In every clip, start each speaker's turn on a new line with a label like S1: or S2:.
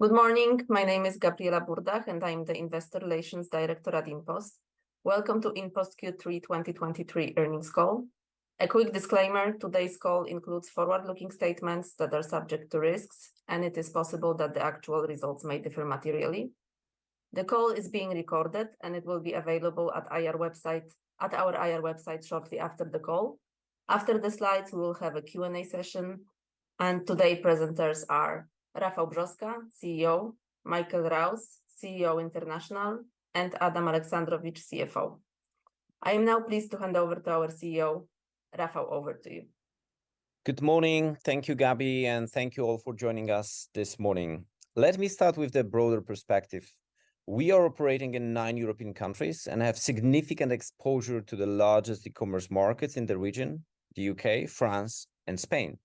S1: Good morning. My name is Gabriela Burdach, and I'm the Investor Relations Director at InPost. Welcome to InPost Q3 2023 earnings call. A quick disclaimer, today's call includes forward-looking statements that are subject to risks, and it is possible that the actual results may differ materially. The call is being recorded, and it will be available at IR website, at our IR website shortly after the call. After the slides, we'll have a Q&A session, and today presenters are Rafał Brzoska, CEO; Michael Rouse, CEO International; and Adam Aleksandrowicz, CFO. I am now pleased to hand over to our CEO. Rafał, over to you.
S2: Good morning. Thank you, Gabi, and thank you all for joining us this morning. Let me start with the broader perspective. We are operating in nine European countries and have significant exposure to the largest e-commerce markets in the region: the U.K., France, and Spain.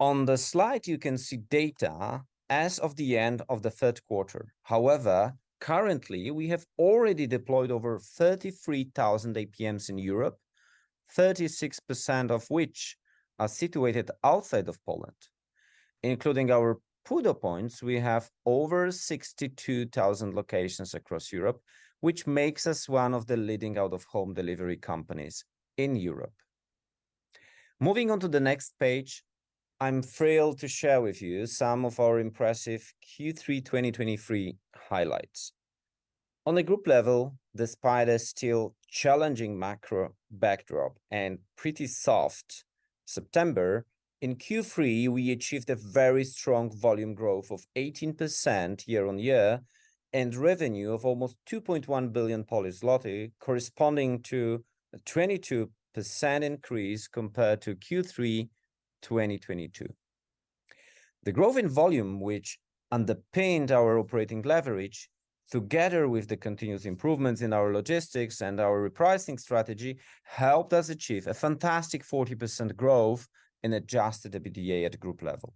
S2: On the slide, you can see data as of the end of the third quarter. However, currently, we have already deployed over 33,000 APMs in Europe, 36% of which are situated outside of Poland. Including our PUDO points, we have over 62,000 locations across Europe, which makes us one of the leading out-of-home delivery companies in Europe. Moving on to the next page, I'm thrilled to share with you some of our impressive Q3 2023 highlights. On a group level, despite a still challenging macro backdrop and pretty soft September, in Q3, we achieved a very strong volume growth of 18% year-over-year, and revenue of almost 2.1 billion Polish zloty, corresponding to a 22% increase compared to Q3 2022. The growth in volume, which underpinned our operating leverage, together with the continuous improvements in our logistics and our repricing strategy, helped us achieve a fantastic 40% growth in Adjusted EBITDA at group level.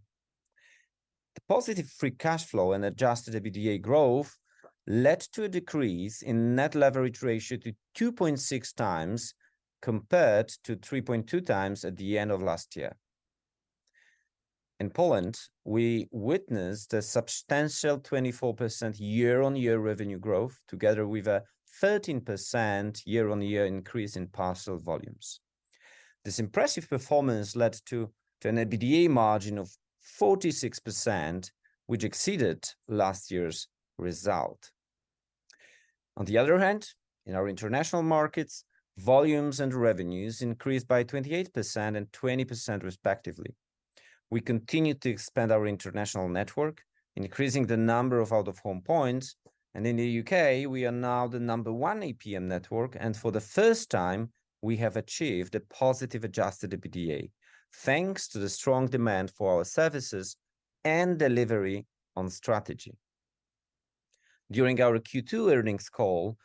S2: The positive free cash flow and Adjusted EBITDA growth led to a decrease in net leverage ratio to 2.6x, compared to 3.2x at the end of last year. In Poland, we witnessed a substantial 24% year-over-year revenue growth, together with a 13% year-over-year increase in parcel volumes. This impressive performance led to an EBITDA margin of 46%, which exceeded last year's result. On the other hand, in our international markets, volumes and revenues increased by 28% and 20%, respectively. We continued to expand our international network, increasing the number of out-of-home points, and in the U.K., we are now the number one APM network, and for the first time, we have achieved a positive Adjusted EBITDA, thanks to the strong demand for our services and delivery on strategy. During our Q2 earnings call,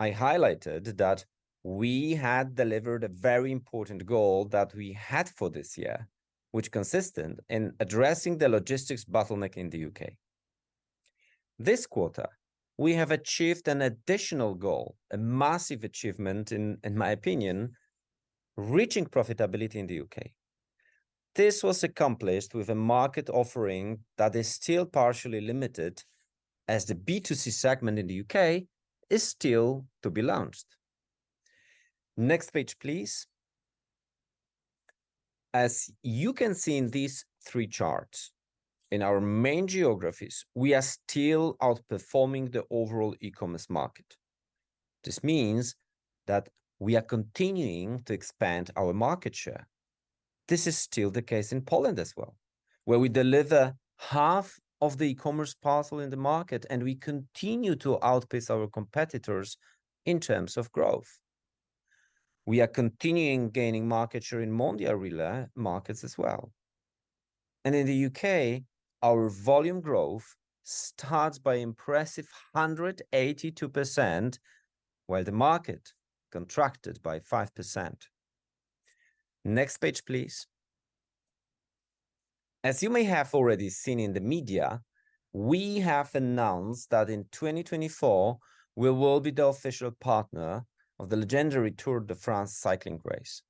S2: I highlighted that we had delivered a very important goal that we had for this year, which consisted in addressing the logistics bottleneck in the U.K. This quarter, we have achieved an additional goal, a massive achievement, in my opinion: reaching profitability in the U.K. This was accomplished with a market offering that is still partially limited, as the B2C segment in the UK is still to be launched. Next page, please. As you can see in these three charts, in our main geographies, we are still outperforming the overall e-commerce market. This means that we are continuing to expand our market share. This is still the case in Poland as well, where we deliver half of the e-commerce parcel in the market, and we continue to outpace our competitors in terms of growth. We are continuing gaining market share in Mondial Relay markets as well. And in the UK, our volume growth starts by impressive 182%, while the market contracted by 5%. Next page, please. As you may have already seen in the media, we have announced that in 2024, we will be the official partner of the legendary Tour de France cycling race.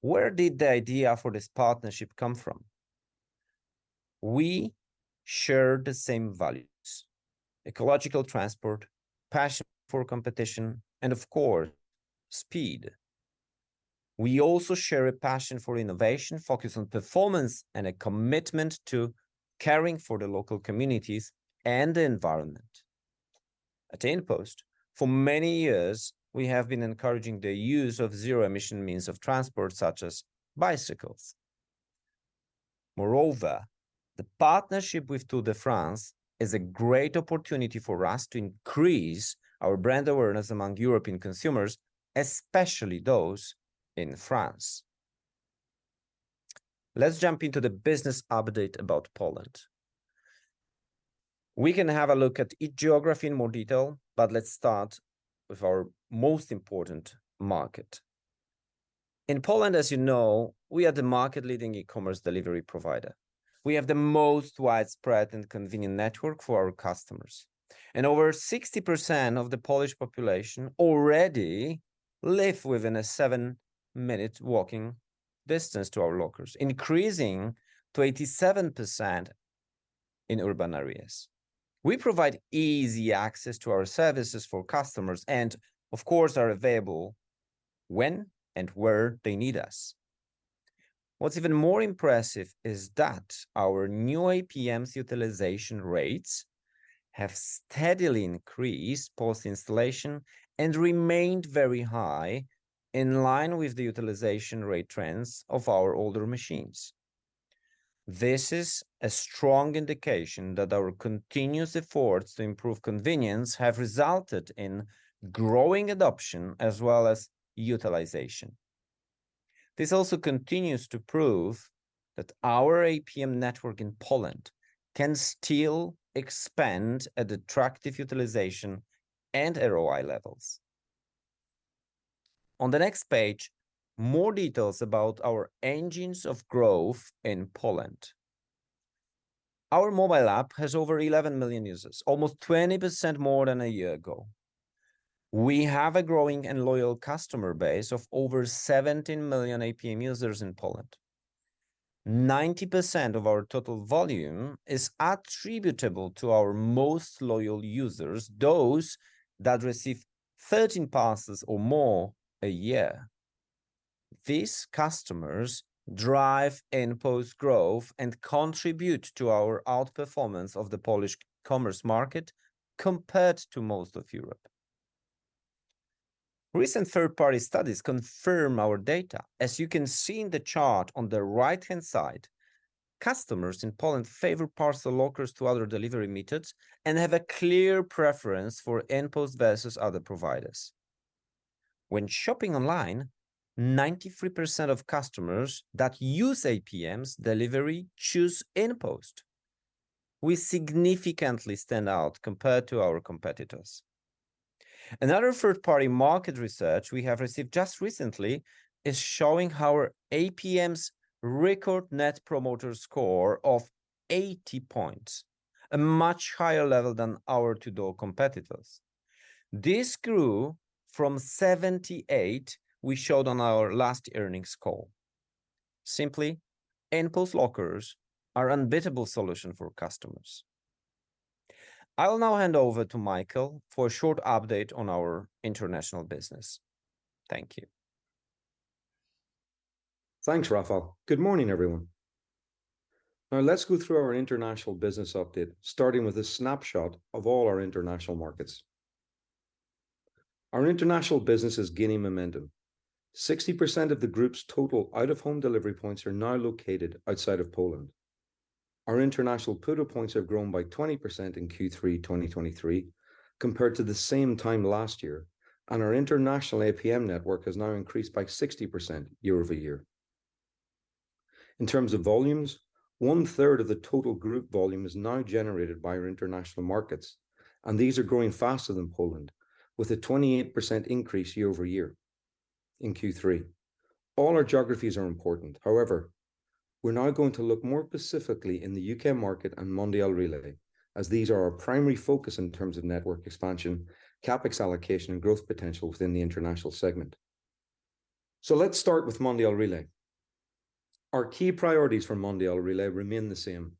S2: Where did the idea for this partnership come from? We share the same values: ecological transport, passion for competition, and of course, speed. We also share a passion for innovation, focus on performance, and a commitment to caring for the local communities and the environment. At InPost, for many years, we have been encouraging the use of zero-emission means of transport, such as bicycles. Moreover, the partnership with Tour de France is a great opportunity for us to increase our brand awareness among European consumers, especially those in France. Let's jump into the business update about Poland. We can have a look at each geography in more detail, but let's start with our most important market. In Poland, as you know, we are the market-leading e-commerce delivery provider. We have the most widespread and convenient network for our customers, and over 60% of the Polish population already live within a seven-minute walking distance to our lockers, increasing to 87% in urban areas. We provide easy access to our services for customers, and of course, are available when and where they need us. What's even more impressive is that our new APMs utilization rates have steadily increased post-installation and remained very high, in line with the utilization rate trends of our older machines. This is a strong indication that our continuous efforts to improve convenience have resulted in growing adoption as well as utilization. This also continues to prove that our APM network in Poland can still expand at attractive utilization and ROI levels. On the next page, more details about our engines of growth in Poland. Our mobile app has over 11 million users, almost 20% more than a year ago. We have a growing and loyal customer base of over 17 million APM users in Poland. 90% of our total volume is attributable to our most loyal users, those that receive 13 parcels or more a year. These customers drive InPost growth and contribute to our outperformance of the Polish commerce market compared to most of Europe. Recent third-party studies confirm our data. As you can see in the chart on the right-hand side, customers in Poland favor parcel lockers to other delivery methods and have a clear preference for InPost versus other providers. When shopping online, 93% of customers that use APMs delivery choose InPost. We significantly stand out compared to our competitors. Another third-party market research we have received just recently is showing our APMs' record Net Promoter Score of 80 points, a much higher level than our door-to-door competitors. This grew from 78 we showed on our last earnings call. Simply, InPost lockers are unbeatable solution for customers. I will now hand over to Michael for a short update on our international business. Thank you.
S3: Thanks, Rafał. Good morning, everyone. Now let's go through our international business update, starting with a snapshot of all our international markets. Our international business is gaining momentum. 60% of the group's total out-of-home delivery points are now located outside of Poland. Our international PUDO points have grown by 20% in Q3 2023, compared to the same time last year, and our international APM network has now increased by 60% year-over-year. In terms of volumes, 1/3 of the total group volume is now generated by our international markets, and these are growing faster than Poland, with a 28% increase year-over-year in Q3. All our geographies are important. However, we're now going to look more specifically in the UK market and Mondial Relay, as these are our primary focus in terms of network expansion, CapEx allocation, and growth potential within the international segment. So let's start with Mondial Relay. Our key priorities for Mondial Relay remain the same: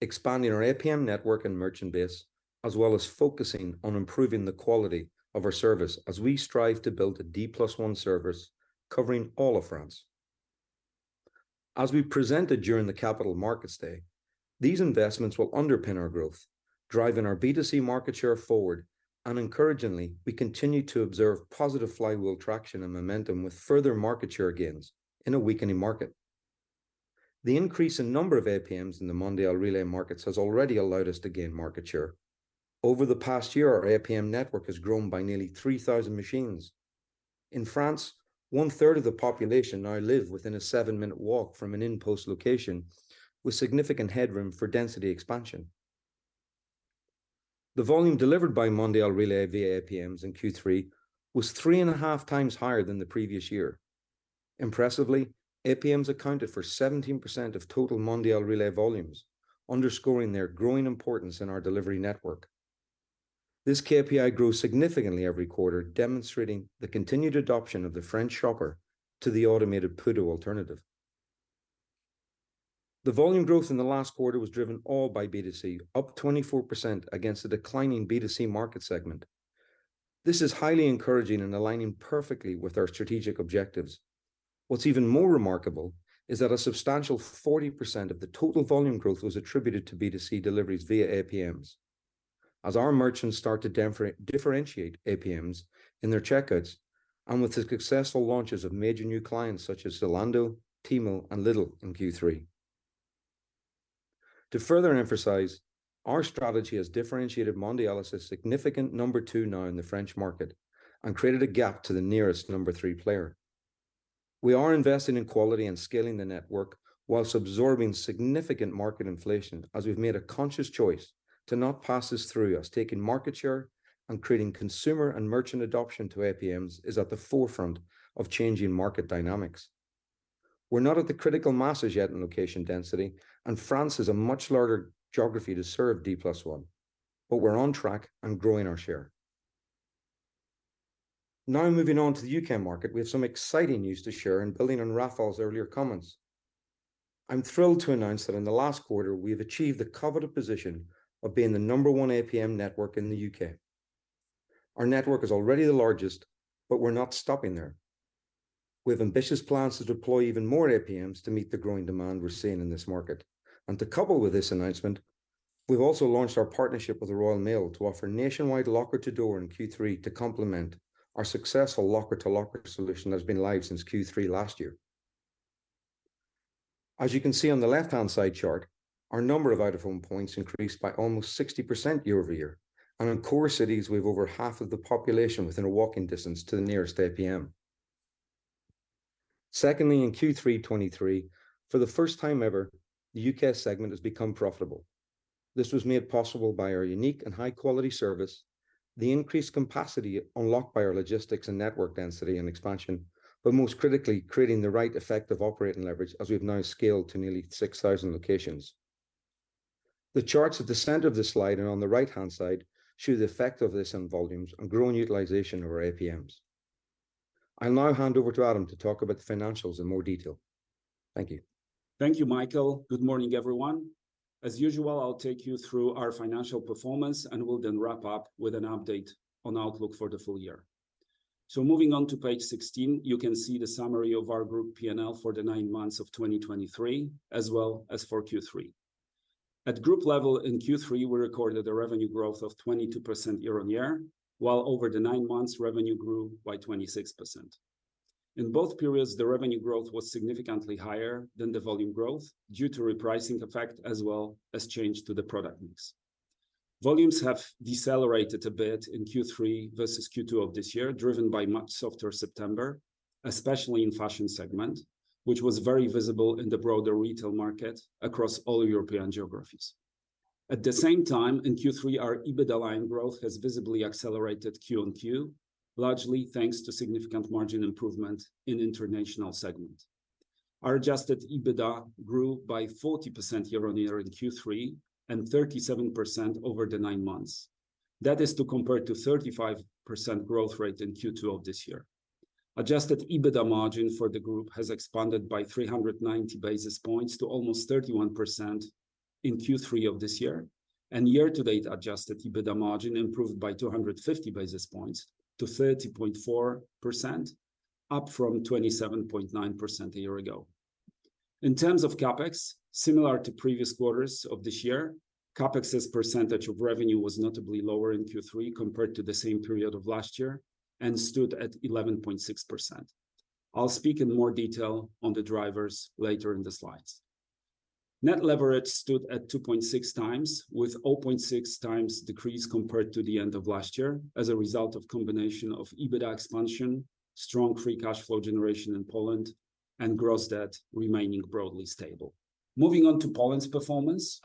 S3: expanding our APM network and merchant base, as well as focusing on improving the quality of our service as we strive to build a D+1 service covering all of France. As we presented during the Capital Markets Day, these investments will underpin our growth, driving our B2C market share forward, and encouragingly, we continue to observe positive flywheel traction and momentum with further market share gains in a weakening market. The increase in number of APMs in the Mondial Relay markets has already allowed us to gain market share. Over the past year, our APM network has grown by nearly 3,000 machines. In France, 1/3 of the population now live within a seven-minute walk from an InPost location, with significant headroom for density expansion. The volume delivered by Mondial Relay via APMs in Q3 was 3.5 times higher than the previous year. Impressively, APMs accounted for 17% of total Mondial Relay volumes, underscoring their growing importance in our delivery network. This KPI grows significantly every quarter, demonstrating the continued adoption of the French shopper to the automated PUDO alternative. The volume growth in the last quarter was driven all by B2C, up 24% against a declining B2C market segment. This is highly encouraging and aligning perfectly with our strategic objectives. What's even more remarkable is that a substantial 40% of the total volume growth was attributed to B2C deliveries via APMs, as our merchants start to differentiate APMs in their checkouts, and with the successful launches of major new clients such as Zalando, Temu, and Lidl in Q3. To further emphasize, our strategy has differentiated Mondial as a significant number 2 now in the French market and created a gap to the nearest number 3 player. We are investing in quality and scaling the network while absorbing significant market inflation, as we've made a conscious choice to not pass this through us. Taking market share and creating consumer and merchant adoption to APMs is at the forefront of changing market dynamics. We're not at the critical masses yet in location density, and France is a much larger geography to serve D+1, but we're on track and growing our share… Now moving on to the UK market, we have some exciting news to share and building on Rafał's earlier comments. I'm thrilled to announce that in the last quarter, we have achieved the coveted position of being the number 1 APM network in the UK. Our network is already the largest, but we're not stopping there. We have ambitious plans to deploy even more APMs to meet the growing demand we're seeing in this market. To couple with this announcement, we've also launched our partnership with the Royal Mail to offer nationwide locker-to-door in Q3 to complement our successful locker-to-locker solution that has been live since Q3 last year. As you can see on the left-hand side chart, our number of out-of-home points increased by almost 60% year-over-year, and in core cities, we have over half of the population within a walking distance to the nearest APM. Secondly, in Q3 2023, for the first time ever, the U.K. segment has become profitable. This was made possible by our unique and high-quality service, the increased capacity unlocked by our logistics and network density and expansion, but most critically, creating the right effective operating leverage as we've now scaled to nearly 6,000 locations. The charts at the center of the slide and on the right-hand side show the effect of this on volumes and growing utilization of our APMs. I'll now hand over to Adam to talk about the financials in more detail. Thank you.
S4: Thank you, Michael. Good morning, everyone. As usual, I'll take you through our financial performance, and we'll then wrap up with an update on outlook for the full year. Moving on to page 16, you can see the summary of our group PNL for the nine months of 2023, as well as for Q3. At group level in Q3, we recorded a revenue growth of 22% year-on-year, while over the nine months, revenue grew by 26%. In both periods, the revenue growth was significantly higher than the volume growth due to repricing effect, as well as change to the product mix. Volumes have decelerated a bit in Q3 versus Q2 of this year, driven by much softer September, especially in fashion segment, which was very visible in the broader retail market across all European geographies. At the same time, in Q3, our EBITDA line growth has visibly accelerated Q-on-Q, largely thanks to significant margin improvement in international segment. Our Adjusted EBITDA grew by 40% year-on-year in Q3 and 37% over the nine months. That is to compare to 35% growth rate in Q2 of this year. Adjusted EBITDA margin for the group has expanded by 390 basis points to almost 31% in Q3 of this year, and year-to-date, Adjusted EBITDA margin improved by 250 basis points to 30.4%, up from 27.9% a year ago. In terms of CapEx, similar to previous quarters of this year, CapEx's percentage of revenue was notably lower in Q3 compared to the same period of last year and stood at 11.6%. I'll speak in more detail on the drivers later in the slides. Net leverage stood at 2.6 times, with 0.6 times decrease compared to the end of last year, as a result of combination of EBITDA expansion, strong free cash flow generation in Poland, and gross debt remaining broadly stable. Moving on to Poland's performance,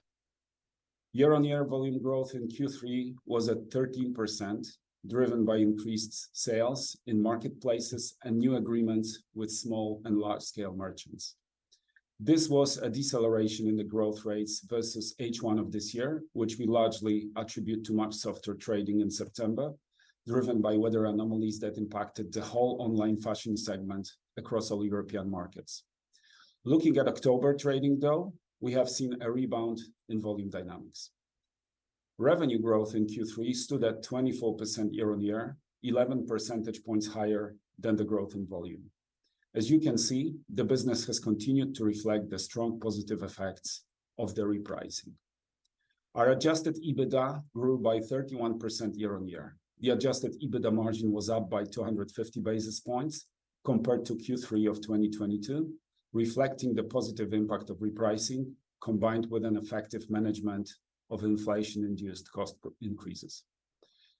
S4: year-on-year volume growth in Q3 was at 13%, driven by increased sales in marketplaces and new agreements with small and large-scale merchants. This was a deceleration in the growth rates versus H1 of this year, which we largely attribute to much softer trading in September, driven by weather anomalies that impacted the whole online fashion segment across all European markets. Looking at October trading, though, we have seen a rebound in volume dynamics. Revenue growth in Q3 stood at 24% year-on-year, 11 percentage points higher than the growth in volume. As you can see, the business has continued to reflect the strong positive effects of the repricing. Our Adjusted EBITDA grew by 31% year-on-year. The Adjusted EBITDA margin was up by 250 basis points compared to Q3 of 2022, reflecting the positive impact of repricing, combined with an effective management of inflation-induced cost increases.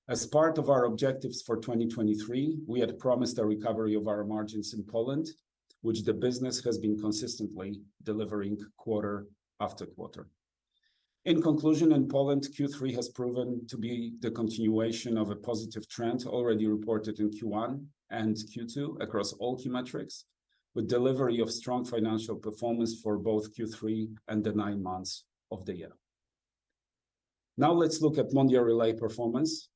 S4: As part of our objectives for 2023, we had promised a recovery of our margins in Poland, which the business has been consistently delivering quarter after quarter. In conclusion, in Poland, Q3 has proven to be the continuation of a positive trend already reported in Q1 and Q2 across all key metrics, with delivery of strong financial performance for both Q3 and the nine months of the year. Now let's look at Mondial Relay performance.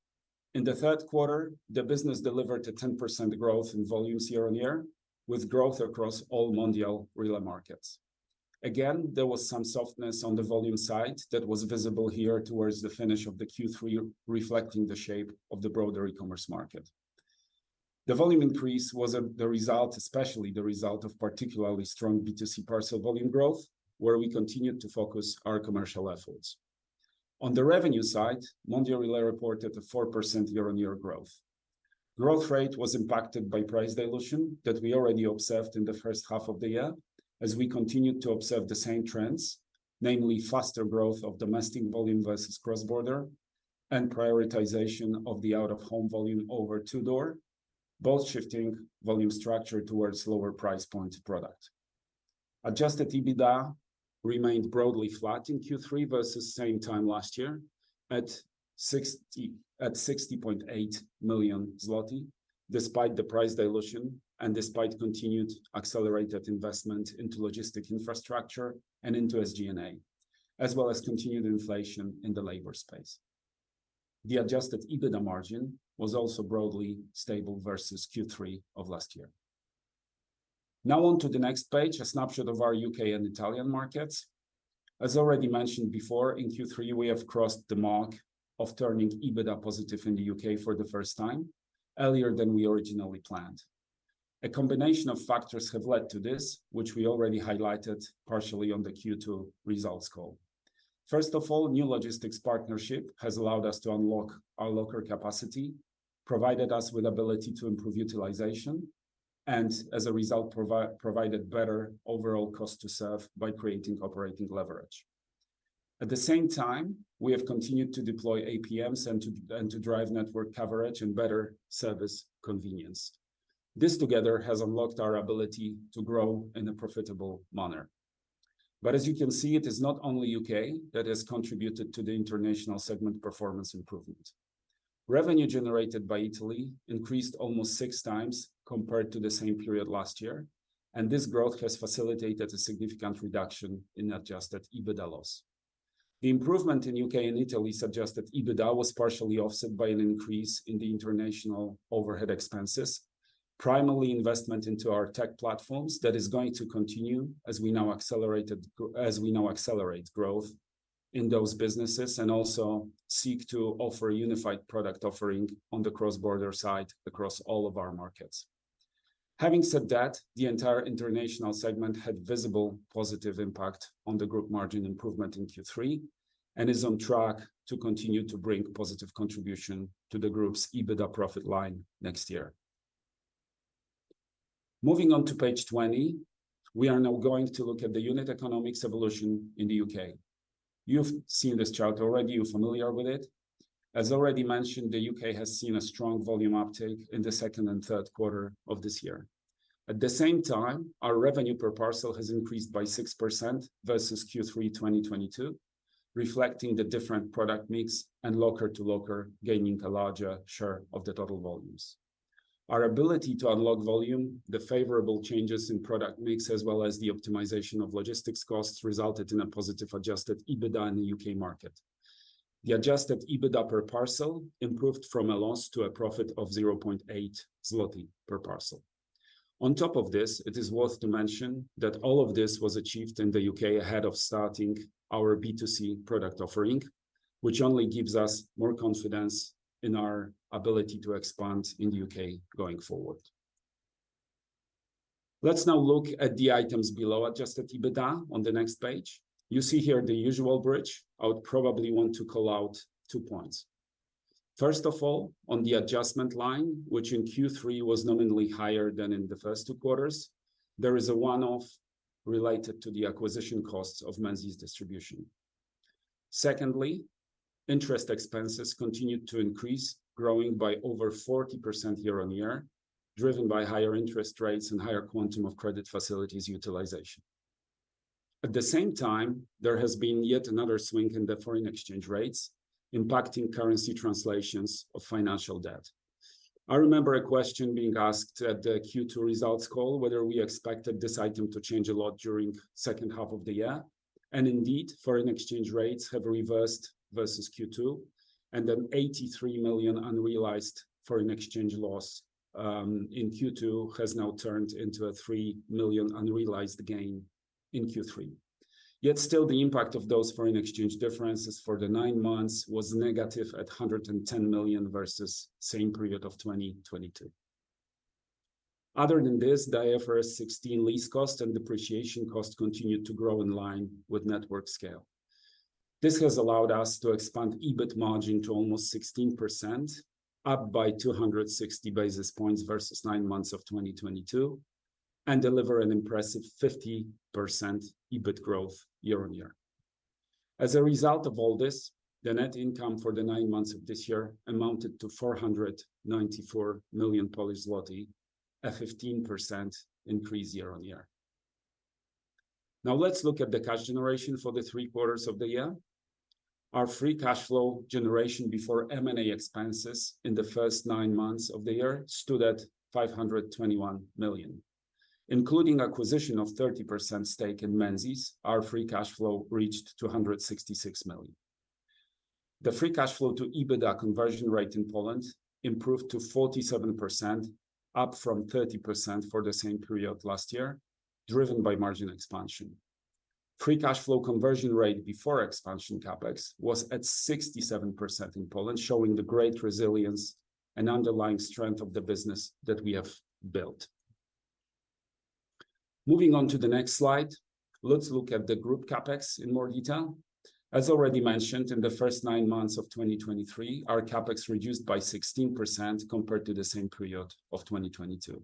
S4: In the third quarter, the business delivered a 10% growth in volumes year-on-year, with growth across all Mondial Relay markets. Again, there was some softness on the volume side that was visible here towards the finish of the Q3, reflecting the shape of the broader e-commerce market. The volume increase was the result, especially the result of particularly strong B2C parcel volume growth, where we continued to focus our commercial efforts. On the revenue side, Mondial Relay reported a 4% year-on-year growth. Growth rate was impacted by price dilution that we already observed in the first half of the year as we continued to observe the same trends, namely faster growth of domestic volume versus cross-border and prioritization of the out-of-home volume over to-door, both shifting volume structure towards lower price point product. Adjusted EBITDA remained broadly flat in Q3 versus same time last year, at 60.8 million zloty, despite the price dilution and despite continued accelerated investment into logistics infrastructure and into SG&A... as well as continued inflation in the labor space. The Adjusted EBITDA margin was also broadly stable versus Q3 of last year. Now on to the next page, a snapshot of our UK and Italian markets. As already mentioned before, in Q3 we have crossed the mark of turning EBITDA positive in the UK for the first time, earlier than we originally planned. A combination of factors have led to this, which we already highlighted partially on the Q2 results call. First of all, new logistics partnership has allowed us to unlock our locker capacity, provided us with ability to improve utilization, and as a result, provided better overall cost to serve by creating operating leverage. At the same time, we have continued to deploy APMs and to drive network coverage and better service convenience. This together has unlocked our ability to grow in a profitable manner. But as you can see, it is not only UK that has contributed to the international segment performance improvement. Revenue generated by Italy increased almost six times compared to the same period last year, and this growth has facilitated a significant reduction in Adjusted EBITDA loss. The improvement in UK and Italy suggested EBITDA was partially offset by an increase in the international overhead expenses, primarily investment into our tech platforms that is going to continue as we now accelerate growth in those businesses and also seek to offer a unified product offering on the cross-border side across all of our markets. Having said that, the entire international segment had visible positive impact on the group margin improvement in Q3 and is on track to continue to bring positive contribution to the group's EBITDA profit line next year. Moving on to page 20, we are now going to look at the unit economics evolution in the UK. You've seen this chart already. You're familiar with it. As already mentioned, the UK has seen a strong volume uptake in the second and third quarter of this year. At the same time, our revenue per parcel has increased by 6% versus Q3 2022, reflecting the different product mix and locker-to-locker gaining a larger share of the total volumes. Our ability to unlock volume, the favorable changes in product mix, as well as the optimization of logistics costs, resulted in a positive Adjusted EBITDA in the UK market. The Adjusted EBITDA per parcel improved from a loss to a profit of 0.8 zloty per parcel. On top of this, it is worth to mention that all of this was achieved in the UK ahead of starting our B2C product offering, which only gives us more confidence in our ability to expand in the UK going forward. Let's now look at the items below Adjusted EBITDA on the next page. You see here the usual bridge. I would probably want to call out two points. First of all, on the adjustment line, which in Q3 was nominally higher than in the first two quarters, there is a one-off related to the acquisition costs of Menzies Distribution. Secondly, interest expenses continued to increase, growing by over 40% year-on-year, driven by higher interest rates and higher quantum of credit facilities utilization. At the same time, there has been yet another swing in the foreign exchange rates, impacting currency translations of financial debt. I remember a question being asked at the Q2 results call, whether we expected this item to change a lot during second half of the year, and indeed, foreign exchange rates have reversed versus Q2, and a 83 million unrealized foreign exchange loss in Q2 has now turned into a 3 million unrealized gain in Q3. Yet still, the impact of those foreign exchange differences for the nine months was negative at 110 million versus same period of 2022. Other than this, the IFRS 16 lease cost and depreciation cost continued to grow in line with network scale. This has allowed us to expand EBIT margin to almost 16%, up by 260 basis points versus nine months of 2022, and deliver an impressive 50% EBIT growth year-on-year. As a result of all this, the net income for the nine months of this year amounted to 494 million Polish zloty, a 15% increase year-on-year. Now, let's look at the cash generation for the three quarters of the year. Our free cash flow generation before M&A expenses in the first nine months of the year stood at 521 million. Including acquisition of 30% stake in Menzies, our free cash flow reached 266 million. The free cash flow to EBITDA conversion rate in Poland improved to 47%, up from 30% for the same period last year, driven by margin expansion. Free cash flow conversion rate before expansion CapEx was at 67% in Poland, showing the great resilience and underlying strength of the business that we have built. Moving on to the next slide, let's look at the group CapEx in more detail. As already mentioned, in the first nine months of 2023, our CapEx reduced by 16% compared to the same period of 2022.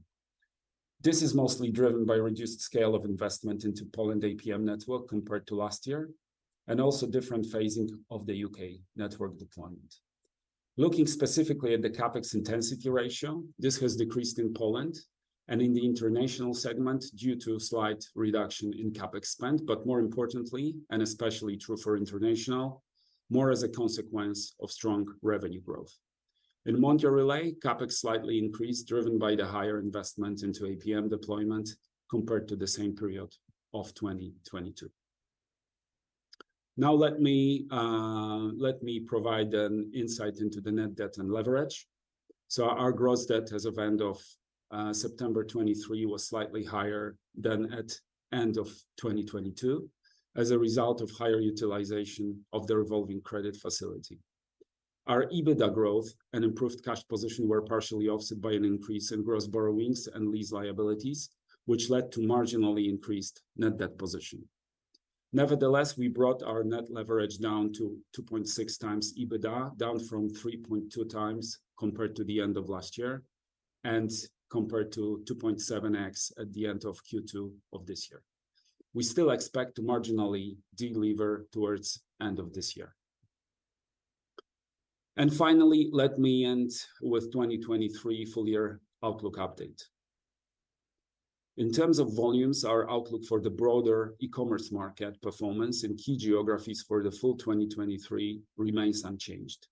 S4: This is mostly driven by reduced scale of investment into Poland APM network compared to last year, and also different phasing of the UK network deployment. Looking specifically at the CapEx intensity ratio, this has decreased in Poland and in the international segment due to a slight reduction in CapEx spend, but more importantly, and especially true for international, more as a consequence of strong revenue growth. In Mondial Relay, CapEx slightly increased, driven by the higher investment into APM deployment compared to the same period of 2022. Now let me provide an insight into the net debt and leverage. Our gross debt as of end of September 2023 was slightly higher than at end of 2022, as a result of higher utilization of the revolving credit facility. Our EBITDA growth and improved cash position were partially offset by an increase in gross borrowings and lease liabilities, which led to marginally increased net debt position. Nevertheless, we brought our net leverage down to 2.6 times EBITDA, down from 3.2 times compared to the end of last year, and compared to 2.7x at the end of Q2 of this year. We still expect to marginally delever towards end of this year. And finally, let me end with 2023 full year outlook update. In terms of volumes, our outlook for the broader e-commerce market performance in key geographies for the full 2023 remains unchanged,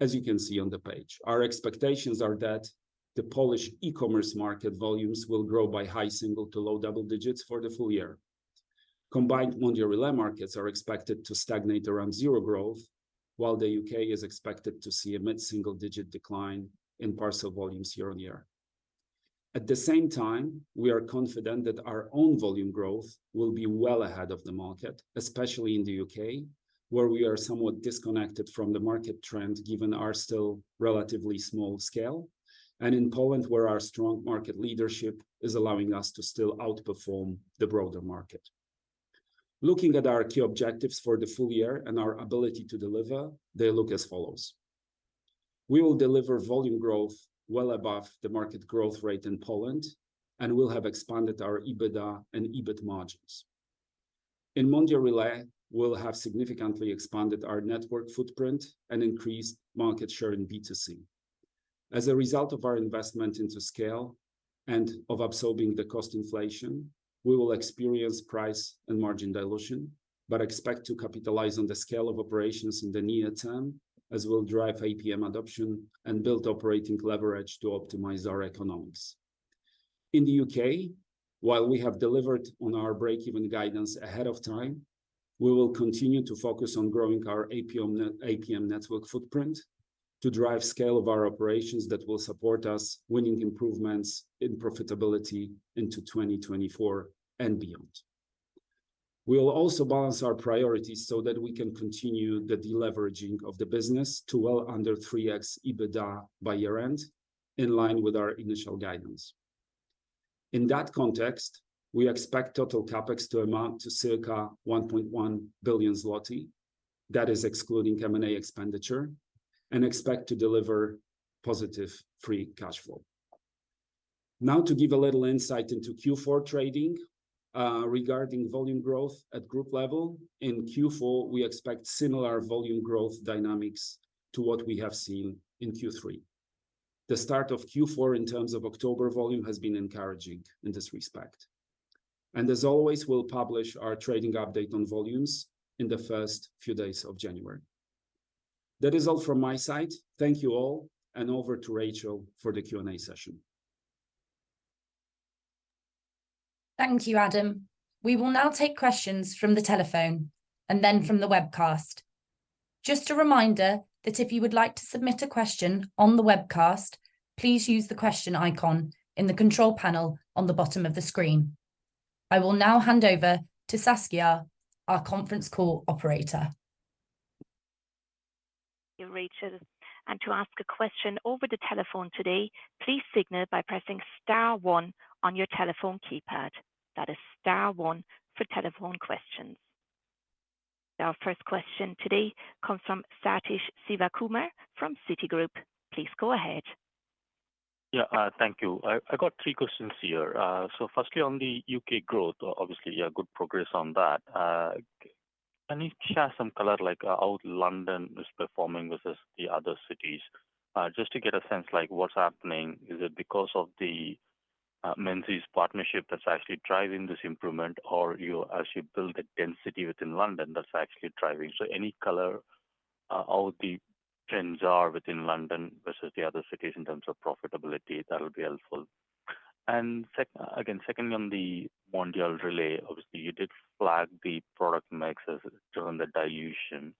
S4: as you can see on the page. Our expectations are that the Polish e-commerce market volumes will grow by high single to low double digits for the full year. Combined Mondial Relay markets are expected to stagnate around zero growth, while the UK is expected to see a mid-single-digit decline in parcel volumes year-on-year. At the same time, we are confident that our own volume growth will be well ahead of the market, especially in the UK, where we are somewhat disconnected from the market trend, given our still relatively small scale, and in Poland, where our strong market leadership is allowing us to still outperform the broader market. Looking at our key objectives for the full year and our ability to deliver, they look as follows: We will deliver volume growth well above the market growth rate in Poland and will have expanded our EBITDA and EBIT margins. In Mondial Relay, we'll have significantly expanded our network footprint and increased market share in B2C. As a result of our investment into scale and of absorbing the cost inflation, we will experience price and margin dilution, but expect to capitalize on the scale of operations in the near term, as we'll drive APM adoption and build operating leverage to optimize our economics. In the UK, while we have delivered on our break-even guidance ahead of time, we will continue to focus on growing our APM net, APM network footprint to drive scale of our operations that will support us winning improvements in profitability into 2024 and beyond. We will also balance our priorities so that we can continue the deleveraging of the business to well under 3x EBITDA by year-end, in line with our initial guidance. In that context, we expect total CapEx to amount to circa 1.1 billion zloty, that is excluding M&A expenditure, and expect to deliver positive free cash flow. Now to give a little insight into Q4 trading, regarding volume growth at group level, in Q4, we expect similar volume growth dynamics to what we have seen in Q3. The start of Q4 in terms of October volume, has been encouraging in this respect. And as always, we'll publish our trading update on volumes in the first few days of January. That is all from my side. Thank you all, and over to Rachel for the Q&A session.
S5: Thank you, Adam. We will now take questions from the telephone and then from the webcast. Just a reminder that if you would like to submit a question on the webcast, please use the question icon in the control panel on the bottom of the screen. I will now hand over to Saskia, our conference call operator. ...
S6: Thank you, Rachel. To ask a question over the telephone today, please signal by pressing star one on your telephone keypad. That is star one for telephone questions. Our first question today comes from Sathish Sivakumar from Citigroup. Please go ahead.
S7: Yeah, thank you. I got three questions here. So firstly, on the UK growth, obviously, a good progress on that. Can you share some color, like, how London is performing versus the other cities? Just to get a sense, like, what's happening. Is it because of the Menzies partnership that's actually driving this improvement, or as you build the density within London that's actually driving? So any color on how the trends are within London versus the other cities in terms of profitability, that would be helpful. And secondly, again, on the Mondial Relay, obviously, you did flag the product mix as driven the dilution.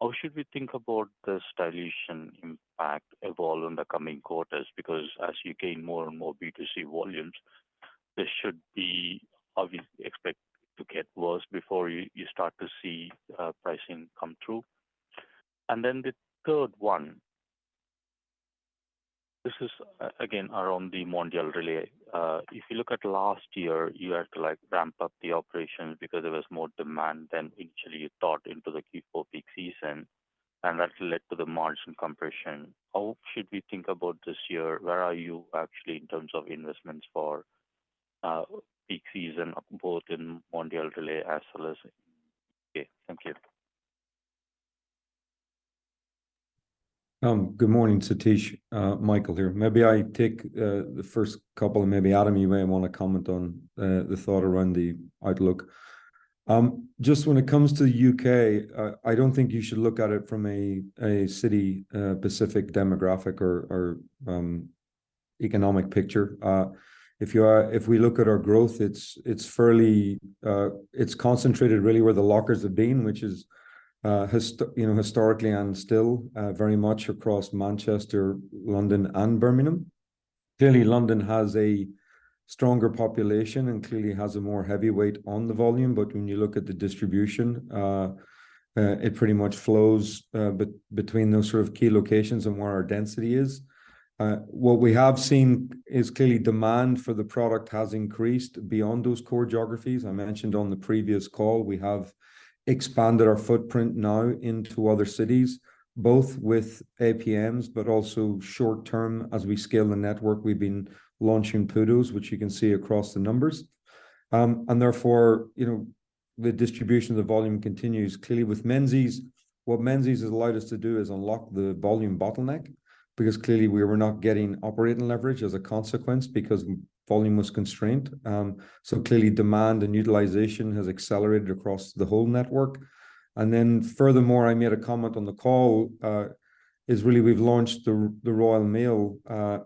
S7: How should we think about this dilution impact evolve in the coming quarters? Because as you gain more and more B2C volumes, this should be obviously expect to get worse before you, you start to see pricing come through. And then the third one, this is again, around the Mondial Relay. If you look at last year, you had to, like, ramp up the operations because there was more demand than initially you thought into the Q4 peak season, and that led to the margin compression. How should we think about this year? Where are you actually in terms of investments for peak season, both in Mondial Relay as well as...? Yeah. Thank you. ...
S3: Good morning, Satish. Michael here. Maybe I take the first couple, and maybe Adam, you may want to comment on the thought around the outlook. Just when it comes to the UK, I don't think you should look at it from a city specific demographic or economic picture. If we look at our growth, it's fairly... It's concentrated really where the lockers have been, which is historically, you know, and still very much across Manchester, London, and Birmingham. Clearly, London has a stronger population and clearly has a more heavy weight on the volume. But when you look at the distribution, it pretty much flows between those sort of key locations and where our density is. What we have seen is clearly demand for the product has increased beyond those core geographies. I mentioned on the previous call, we have expanded our footprint now into other cities, both with APMs, but also short term. As we scale the network, we've been launching PUDOs, which you can see across the numbers. And therefore, you know, the distribution of the volume continues. Clearly, with Menzies, what Menzies has allowed us to do is unlock the volume bottleneck, because clearly we were not getting operating leverage as a consequence, because volume was constrained. So clearly, demand and utilization has accelerated across the whole network. And then furthermore, I made a comment on the call, is really we've launched the Royal Mail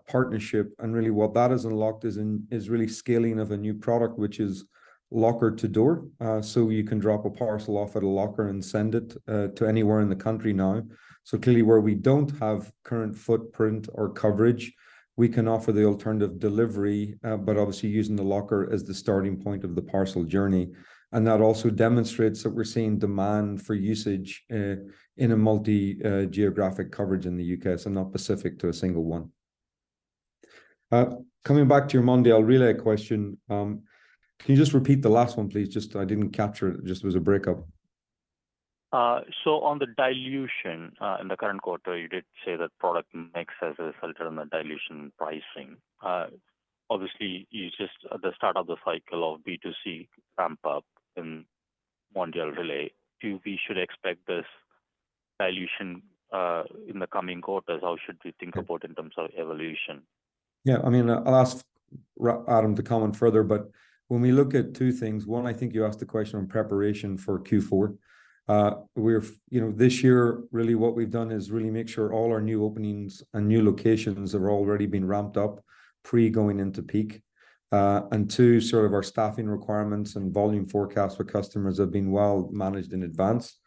S3: partnership. And really, what that has unlocked is really scaling of a new product, which is locker to door. So you can drop a parcel off at a locker and send it to anywhere in the country now. So clearly, where we don't have current footprint or coverage, we can offer the alternative delivery, but obviously using the locker as the starting point of the parcel journey. And that also demonstrates that we're seeing demand for usage in a multi-geographic coverage in the U.K., so not specific to a single one. Coming back to your Mondial Relay question, can you just repeat the last one, please? Just, I didn't capture it. Just, there was a breakup.
S7: So on the dilution in the current quarter, you did say that product mix has a filter on the dilution pricing. Obviously, you're just at the start of the cycle of B2C ramp up in Mondial Relay. Do we should expect this dilution in the coming quarters? How should we think about in terms of evolution?
S3: Yeah, I mean, I'll ask Adam to comment further, but when we look at two things, one, I think you asked the question on preparation for Q4. We're, you know, this year, really what we've done is really make sure all our new openings and new locations have already been ramped up pre-going into peak. And two, sort of our staffing requirements and volume forecast for customers have been well managed in advance.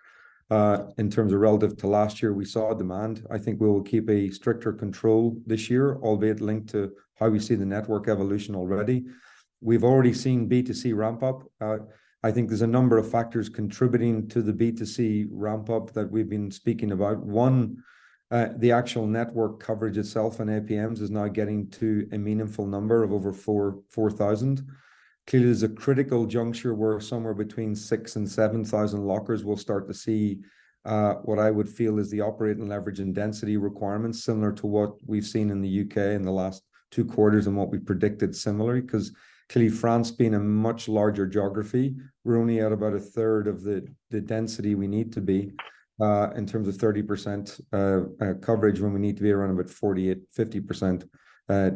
S3: In terms of relative to last year, we saw demand. I think we will keep a stricter control this year, albeit linked to how we see the network evolution already. We've already seen B2C ramp up. I think there's a number of factors contributing to the B2C ramp up that we've been speaking about. 1, the actual network coverage itself and APMs is now getting to a meaningful number of over 4,000. Clearly, there's a critical juncture where somewhere between 6,000 and 7,000 lockers will start to see what I would feel is the operating leverage and density requirements, similar to what we've seen in the UK in the last two quarters and what we predicted similarly. 'Cause clearly, France being a much larger geography, we're only at about a third of the density we need to be in terms of 30% coverage, when we need to be around about 48%-50%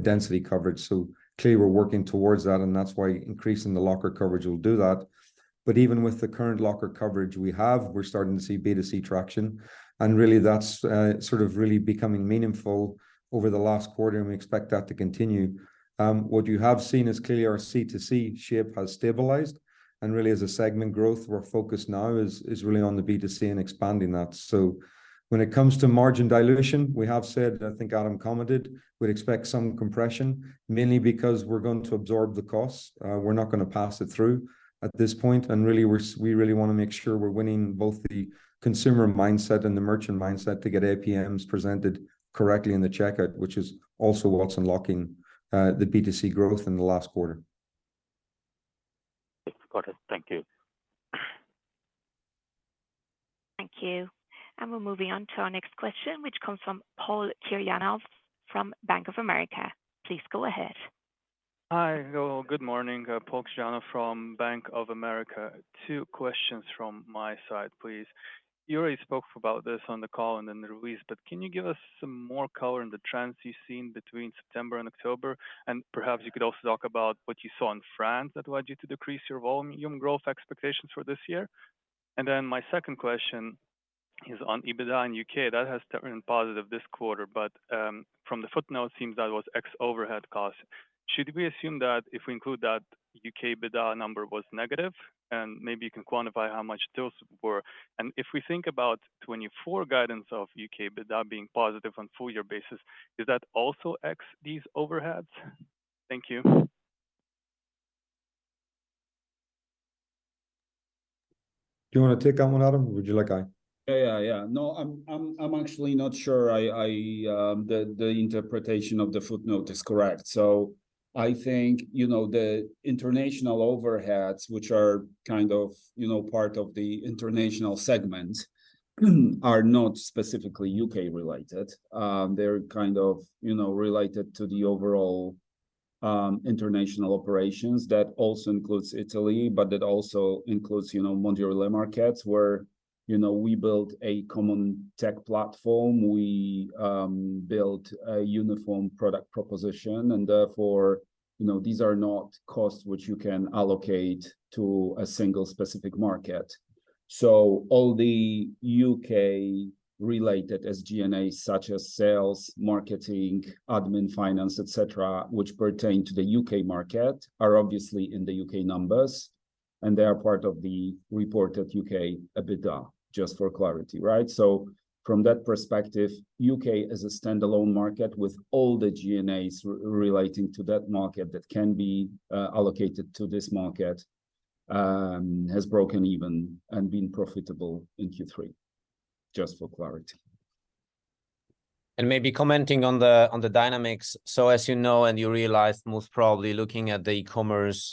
S3: density coverage. So clearly, we're working towards that, and that's why increasing the locker coverage will do that. But even with the current locker coverage we have, we're starting to see B2C traction, and really that's sort of really becoming meaningful over the last quarter, and we expect that to continue. What you have seen is clearly our C2C shape has stabilized, and really as a segment growth, our focus now is really on the B2C and expanding that. So when it comes to margin dilution, we have said, I think Adam commented, we'd expect some compression, mainly because we're going to absorb the costs. We're not gonna pass it through at this point, and really, we really want to make sure we're winning both the consumer mindset and the merchant mindset to get APMs presented correctly in the checkout, which is also what's unlocking the B2C growth in the last quarter.
S7: Yes, got it. Thank you.
S6: Thank you. We're moving on to our next question, which comes from Paul Kirjanovs from Bank of America. Please go ahead.
S8: Hi. Well, good morning. [inaudible] from Bank of America. Two questions from my side, please. You already spoke about this on the call and in the release, but can you give us some more color on the trends you've seen between September and October? And perhaps you could also talk about what you saw in France that led you to decrease your volume growth expectations for this year. And then my second question is on EBITDA in UK. That has turned positive this quarter, but from the footnote, it seems that was ex overhead costs. Should we assume that if we include that, UK EBITDA number was negative? And maybe you can quantify how much those were. And if we think about 2024 guidance of UK EBITDA being positive on full year basis, is that also ex these overheads? Thank you.
S3: Do you want to take that one, Adam, or would you like I?
S4: Yeah, yeah, yeah. No, I'm actually not sure the interpretation of the footnote is correct. So I think, you know, the international overheads, which are kind of, you know, part of the international segment, are not specifically UK-related. They're kind of, you know, related to the overall international operations. That also includes Italy, but it also includes, you know, Mondial Relay markets where, you know, we built a common tech platform. We built a uniform product proposition, and therefore, you know, these are not costs which you can allocate to a single specific market. So all the UK-related SG&As, such as sales, marketing, admin, finance, et cetera, which pertain to the UK market, are obviously in the UK numbers, and they are part of the reported UK EBITDA, just for clarity, right? So from that perspective, UK is a standalone market with all the GNAs relating to that market that can be allocated to this market has broken even and been profitable in Q3, just for clarity.
S2: Maybe commenting on the dynamics. So as you know, and you realized most probably looking at the e-commerce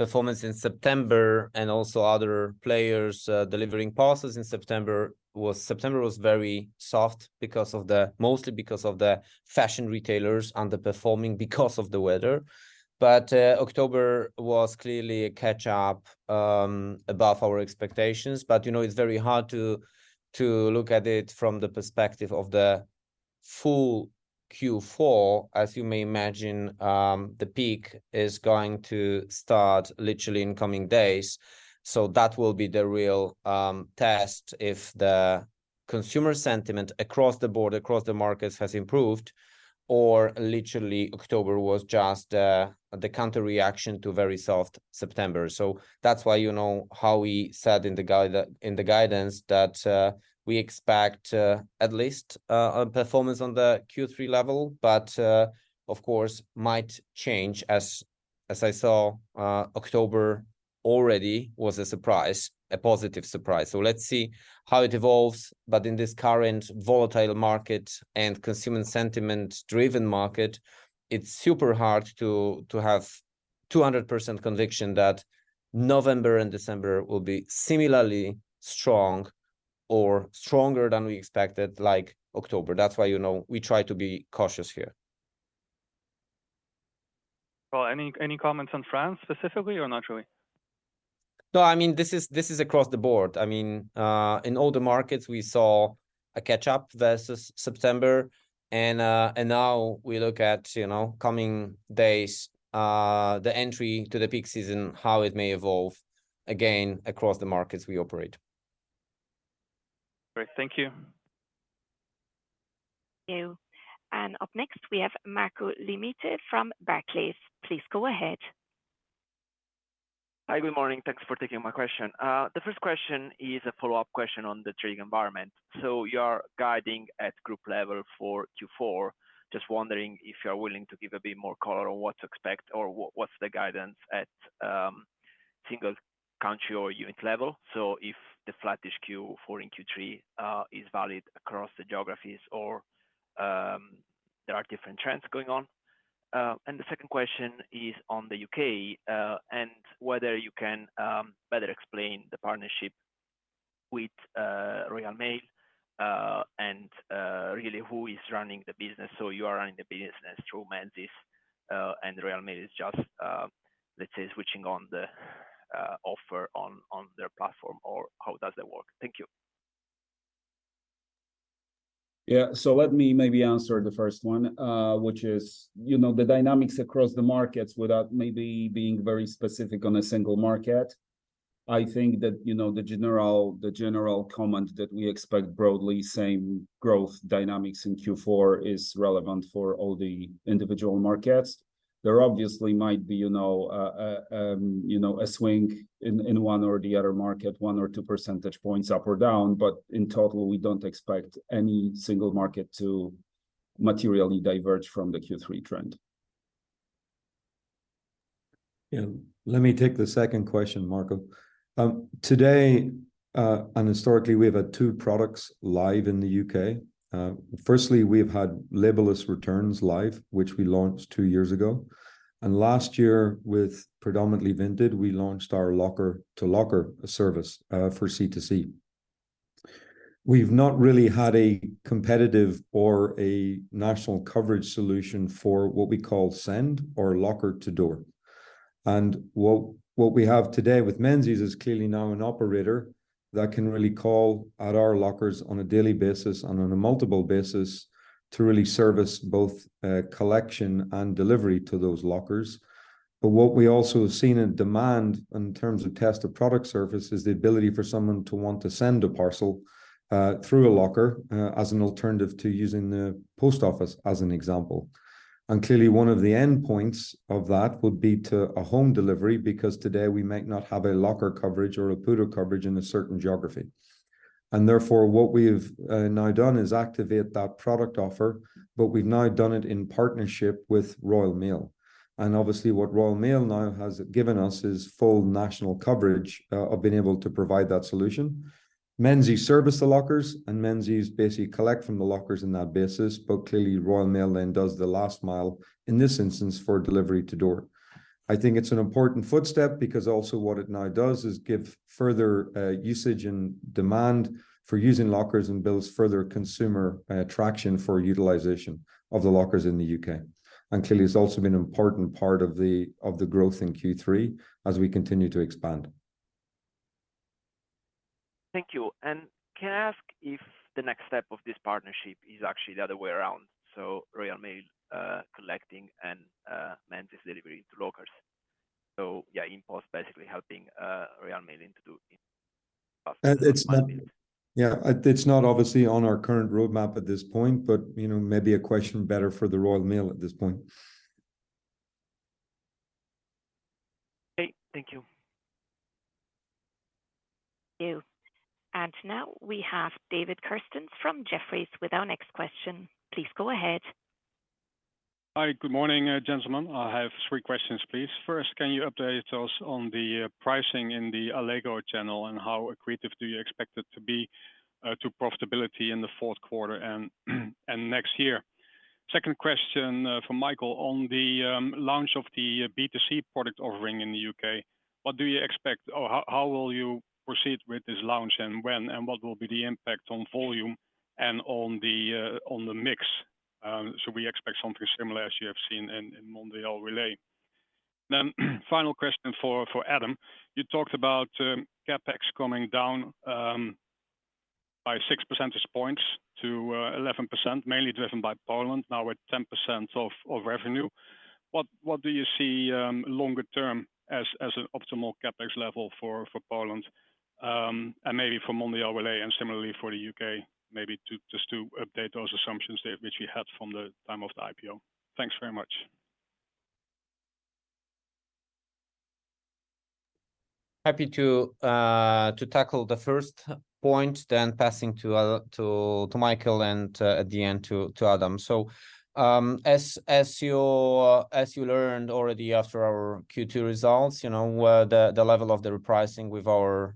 S2: performance in September and also other players' delivering parcels in September, September was very soft because of, mostly because of the fashion retailers underperforming because of the weather. But October was clearly a catch-up above our expectations. But you know, it's very hard to look at it from the perspective of the full Q4. As you may imagine, the peak is going to start literally in coming days, so that will be the real test if the consumer sentiment across the board, across the markets, has improved, or literally October was just the counterreaction to a very soft September. So that's why you know how we said in the guidance that we expect at least a performance on the Q3 level, but of course, might change. As I saw, October already was a surprise, a positive surprise. So let's see how it evolves, but in this current volatile market and consumer sentiment-driven market, it's super hard to have 200% conviction that November and December will be similarly strong or stronger than we expected, like October. That's why, you know, we try to be cautious here.
S8: Well, any comments on France specifically or not really?
S2: No, I mean, this is, this is across the board. I mean, in all the markets, we saw a catch-up versus September, and, and now we look at, you know, coming days, the entry to the peak season, how it may evolve again across the markets we operate.
S8: Great. Thank you.
S6: Thank you. Up next, we have Marco Limite from Barclays. Please go ahead.
S9: Hi, good morning. Thanks for taking my question. The first question is a follow-up question on the trading environment. So you're guiding at group level 4-4. Just wondering if you're willing to give a bit more color on what to expect or what, what's the guidance at, single country or unit level. So if the flattish Q4 and Q3 is valid across the geographies or, there are different trends going on. And the second question is on the UK, and whether you can, better explain the partnership with, Royal Mail, and, really, who is running the business. So you are running the business through Menzies, and Royal Mail is just, let's say, switching on the, offer on, on their platform, or how does that work? Thank you.
S4: Yeah. So let me maybe answer the first one, which is, you know, the dynamics across the markets without maybe being very specific on a single market. I think that, you know, the general, the general comment that we expect broadly same growth dynamics in Q4 is relevant for all the individual markets. There obviously might be, you know, a, a, you know, a swing in, in one or the other market, 1 or 2 percentage points up or down, but in total, we don't expect any single market to materially diverge from the Q3 trend.
S3: Yeah, let me take the second question, Marco. Today, and historically, we've had two products live in the UK. Firstly, we've had label-less returns live, which we launched two years ago, and last year, with predominantly Vinted, we launched our locker-to-locker service, for C2C. We've not really had a competitive or a national coverage solution for what we call send or locker-to-door. And what we have today with Menzies is clearly now an operator that can really call at our lockers on a daily basis and on a multiple basis to really service both, collection and delivery to those lockers. But what we also have seen in demand in terms of test of product service is the ability for someone to want to send a parcel, through a locker, as an alternative to using the post office, as an example. And clearly, one of the endpoints of that would be to a home delivery, because today we might not have a locker coverage or a PUDO coverage in a certain geography. And therefore, what we've now done is activate that product offer, but we've now done it in partnership with Royal Mail. And obviously, what Royal Mail now has given us is full national coverage of being able to provide that solution. Menzies service the lockers, and Menzies basically collect from the lockers in that basis, but clearly, Royal Mail then does the last mile, in this instance, for delivery to door. I think it's an important footstep because also what it now does is give further usage and demand for using lockers and builds further consumer traction for utilization of the lockers in the UK. Clearly, it's also been an important part of the growth in Q3 as we continue to expand. ...
S9: Thank you. Can I ask if the next step of this partnership is actually the other way around? So Royal Mail collecting and Menzies delivery to lockers. So yeah, InPost basically helping Royal Mail in to do it faster.
S3: Yeah, it's not obviously on our current roadmap at this point, but, you know, maybe a question better for the Royal Mail at this point.
S9: Okay, thank you.
S6: Thank you. And now we have David Kerstens from Jefferies with our next question. Please go ahead.
S10: Hi, good morning, gentlemen. I have three questions, please. First, can you update us on the, pricing in the Allegro channel, and how accretive do you expect it to be, to profitability in the fourth quarter and, and next year? Second question, for Michael, on the, launch of the B2C product offering in the UK, what do you expect, or how, how will you proceed with this launch, and when, and what will be the impact on volume and on the, on the mix? Should we expect something similar as you have seen in, in Mondial Relay? Then, final question for, for Adam. You talked about, CapEx coming down, by six percentage points to, 11%, mainly driven by Poland, now at 10% of, of revenue. What do you see longer term as an optimal CapEx level for Poland, and maybe for Mondial Relay and similarly for the UK? Maybe just to update those assumptions that we had from the time of the IPO. Thanks very much.
S2: Happy to tackle the first point, then passing to Michael, and at the end to Adam. So, as you learned already after our Q2 results, you know, the level of the repricing with our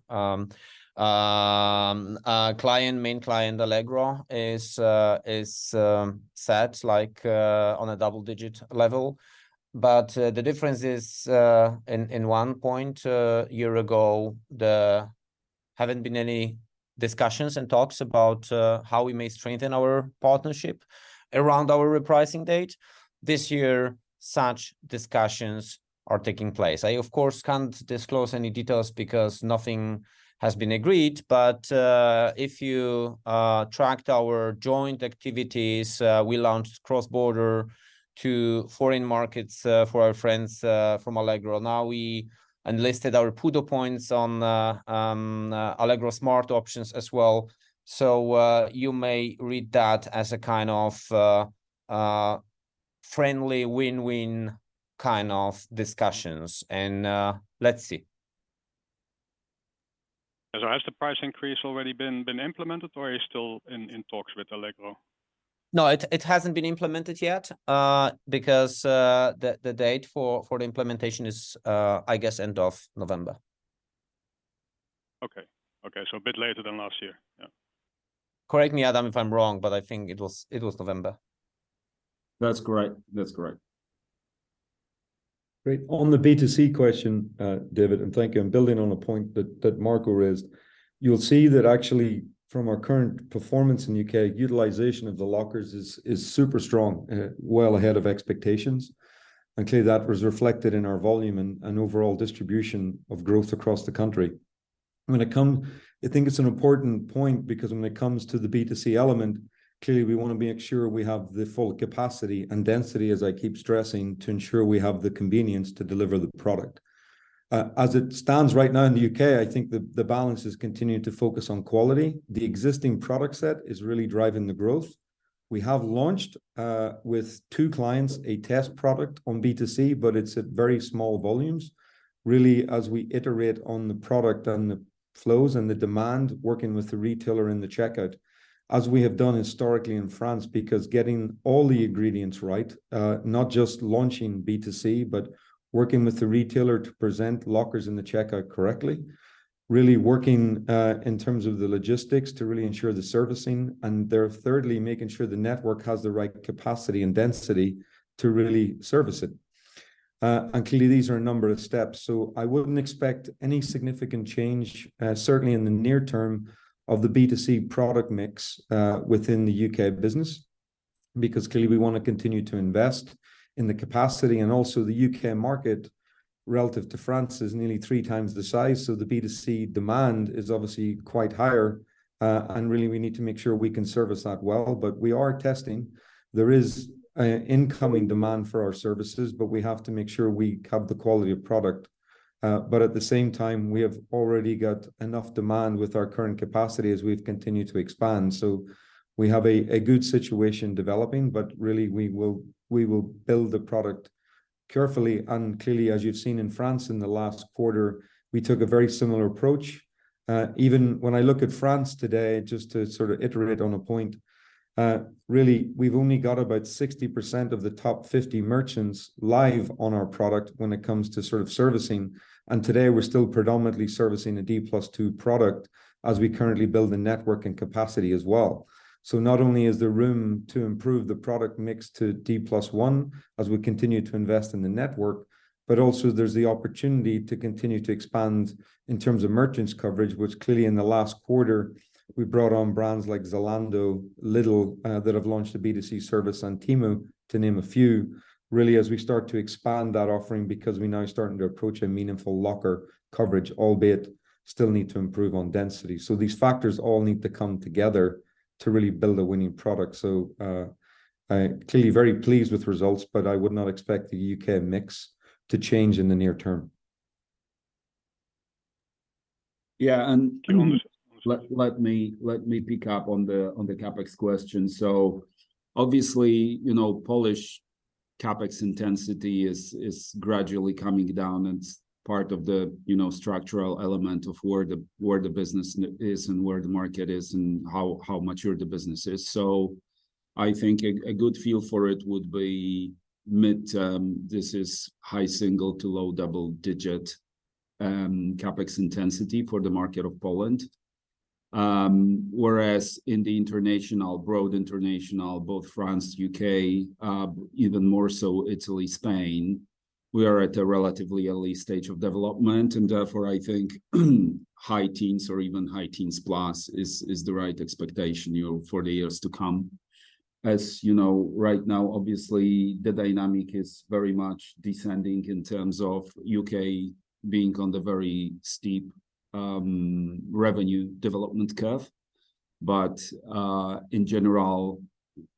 S2: client, main client, Allegro, is set like on a double-digit level. But the difference is in one point, a year ago, there haven't been any discussions and talks about how we may strengthen our partnership around our repricing date. This year, such discussions are taking place. I, of course, can't disclose any details because nothing has been agreed, but if you tracked our joint activities, we launched cross-border to foreign markets for our friends from Allegro. Now, we listed our PUDO points on Allegro Smart options as well. So, you may read that as a kind of friendly win-win kind of discussions, and let's see.
S10: Has the price increase already been implemented, or are you still in talks with Allegro?
S2: No, it hasn't been implemented yet, because the date for the implementation is, I guess, end of November.
S10: Okay. Okay, so a bit later than last year? Yeah.
S2: Correct me, Adam, if I'm wrong, but I think it was November.
S4: That's correct. That's correct.
S3: Great. On the B2C question, David, and thank you, and building on a point that Marco raised, you'll see that actually from our current performance in U.K., utilization of the lockers is super strong, well ahead of expectations. And clearly, that was reflected in our volume and overall distribution of growth across the country. I think it's an important point because when it comes to the B2C element, clearly, we want to make sure we have the full capacity and density, as I keep stressing, to ensure we have the convenience to deliver the product. As it stands right now in the U.K., I think the balance is continuing to focus on quality. The existing product set is really driving the growth. We have launched with two clients, a test product on B2C, but it's at very small volumes. Really, as we iterate on the product and the flows and the demand, working with the retailer in the checkout, as we have done historically in France, because getting all the ingredients right, not just launching B2C, but working with the retailer to present lockers in the checkout correctly, really working, in terms of the logistics to really ensure the servicing, and third, thirdly, making sure the network has the right capacity and density to really service it. And clearly, these are a number of steps, so I wouldn't expect any significant change, certainly in the near term, of the B2C product mix, within the UK business, because clearly, we want to continue to invest in the capacity. And also, the UK market, relative to France, is nearly three times the size, so the B2C demand is obviously quite higher, and really, we need to make sure we can service that well. But we are testing. There is incoming demand for our services, but we have to make sure we have the quality of product. But at the same time, we have already got enough demand with our current capacity as we've continued to expand. So we have a good situation developing, but really, we will build the product carefully. And clearly, as you've seen in France in the last quarter, we took a very similar approach. Even when I look at France today, just to sort of iterate on a point, really, we've only got about 60% of the top 50 merchants live on our product when it comes to sort of servicing, and today we're still predominantly servicing a D+2 product, as we currently build the network and capacity as well. So not only is there room to improve the product mix to D+1 as we continue to invest in the network, but also there's the opportunity to continue to expand in terms of merchants' coverage, which clearly, in the last quarter, we brought on brands like Zalando, Lidl, that have launched a B2C service, and Temu, to name a few. Really, as we start to expand that offering, because we're now starting to approach a meaningful locker coverage, albeit still need to improve on density. So these factors all need to come together to really build a winning product. So, clearly very pleased with results, but I would not expect the UK mix to change in the near term....
S4: Yeah, and let me pick up on the CapEx question. So obviously, you know, Polish CapEx intensity is gradually coming down, and it's part of the, you know, structural element of where the business is and where the market is, and how mature the business is. So I think a good feel for it would be mid, this is high single to low double-digit CapEx intensity for the market of Poland. Whereas in the international, broad international, both France, UK, even more so Italy, Spain, we are at a relatively early stage of development, and therefore, I think, high teens or even high teens plus is the right expectation, you know, for the years to come. As you know, right now, obviously, the dynamic is very much descending in terms of UK being on the very steep revenue development curve. But in general,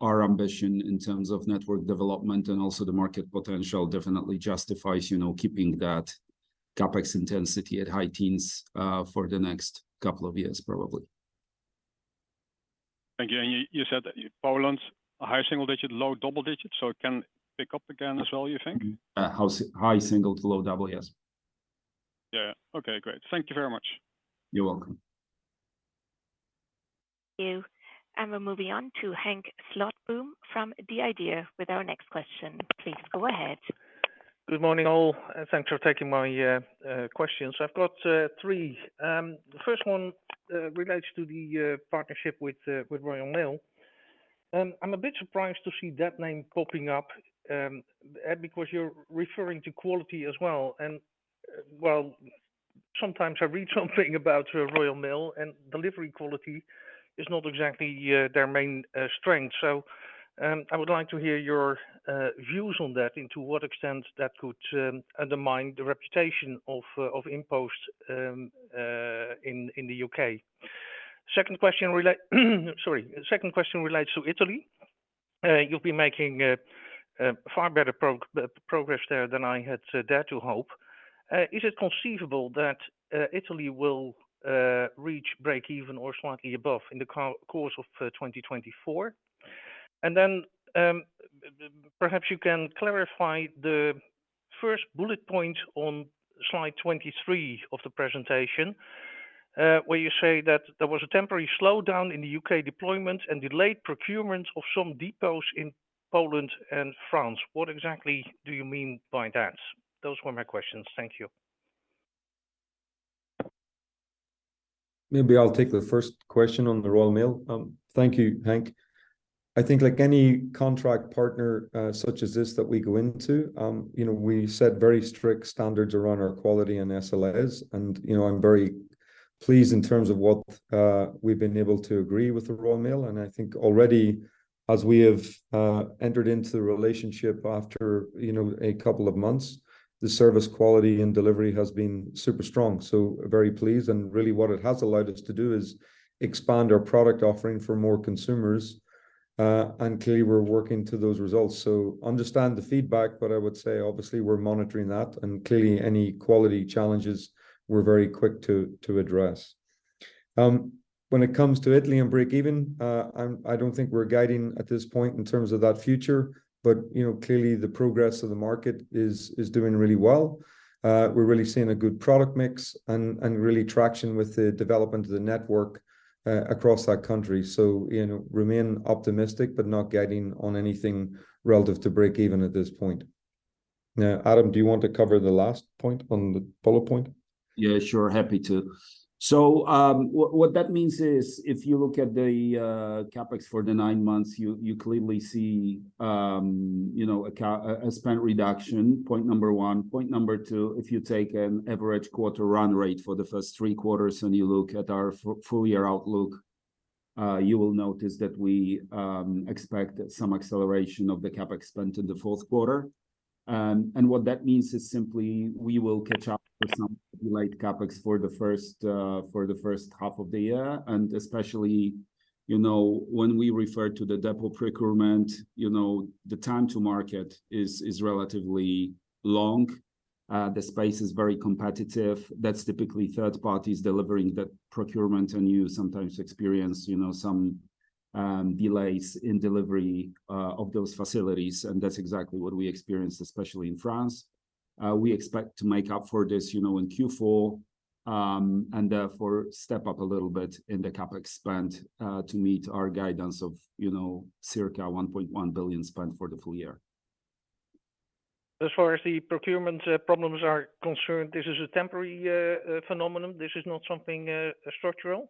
S4: our ambition in terms of network development and also the market potential definitely justifies, you know, keeping that CapEx intensity at high teens for the next couple of years, probably.
S10: Thank you. You, you said that Poland, a high single digit, low double digit, so it can pick up again as well, you think?
S4: High single to low double, yes.
S10: Yeah. Okay, great. Thank you very much.
S4: You're welcome.
S6: Thank you. We're moving on to Henk Slotboom from The IDEA with our next question. Please, go ahead.
S11: Good morning, all, and thanks for taking my questions. I've got three. The first one relates to the partnership with Royal Mail. I'm a bit surprised to see that name popping up, and because you're referring to quality as well, and, well, sometimes I read something about Royal Mail, and delivery quality is not exactly their main strength. So, I would like to hear your views on that and to what extent that could undermine the reputation of InPost in the UK. Second question relates to Italy. You've been making far better progress there than I had dared to hope. Is it conceivable that Italy will reach break even or slightly above in the course of 2024? And then, perhaps you can clarify the first bullet point on slide 23 of the presentation, where you say that there was a temporary slowdown in the UK deployment and delayed procurement of some depots in Poland and France. What exactly do you mean by that? Those were my questions. Thank you.
S3: Maybe I'll take the first question on the Royal Mail. Thank you, Henk. I think like any contract partner such as this that we go into, you know, we set very strict standards around our quality and SLAs, and, you know, I'm very pleased in terms of what we've been able to agree with the Royal Mail. And I think already, as we have entered into the relationship after, you know, a couple of months, the service quality and delivery has been super strong. So we're very pleased, and really what it has allowed us to do is expand our product offering for more consumers, and clearly, we're working to those results. So understand the feedback, but I would say, obviously, we're monitoring that, and clearly, any quality challenges, we're very quick to address. When it comes to Italy and break even, I'm... I don't think we're guiding at this point in terms of that future, but, you know, clearly the progress of the market is doing really well. We're really seeing a good product mix and really traction with the development of the network across that country. So, you know, remain optimistic, but not guiding on anything relative to break even at this point. Now, Adam, do you want to cover the last point on the follow point?
S4: Yeah, sure, happy to. So, what that means is, if you look at the CapEx for the nine months, you clearly see, you know, a spend reduction, point number one. Point number two, if you take an average quarter run rate for the first three quarters, and you look at our full year outlook, you will notice that we expect some acceleration of the CapEx spend in the fourth quarter. And what that means is simply we will catch up with some light CapEx for the first half of the year, and especially, you know, when we refer to the depot procurement, you know, the time to market is relatively long. The space is very competitive. That's typically third parties delivering the procurement, and you sometimes experience, you know, some, delays in delivery, of those facilities, and that's exactly what we experienced, especially in France. We expect to make up for this, you know, in Q4, and therefore, step up a little bit in the CapEx spend, to meet our guidance of, you know, circa 1.1 billion spend for the full year.
S11: As far as the procurement problems are concerned, this is a temporary phenomenon? This is not something structural?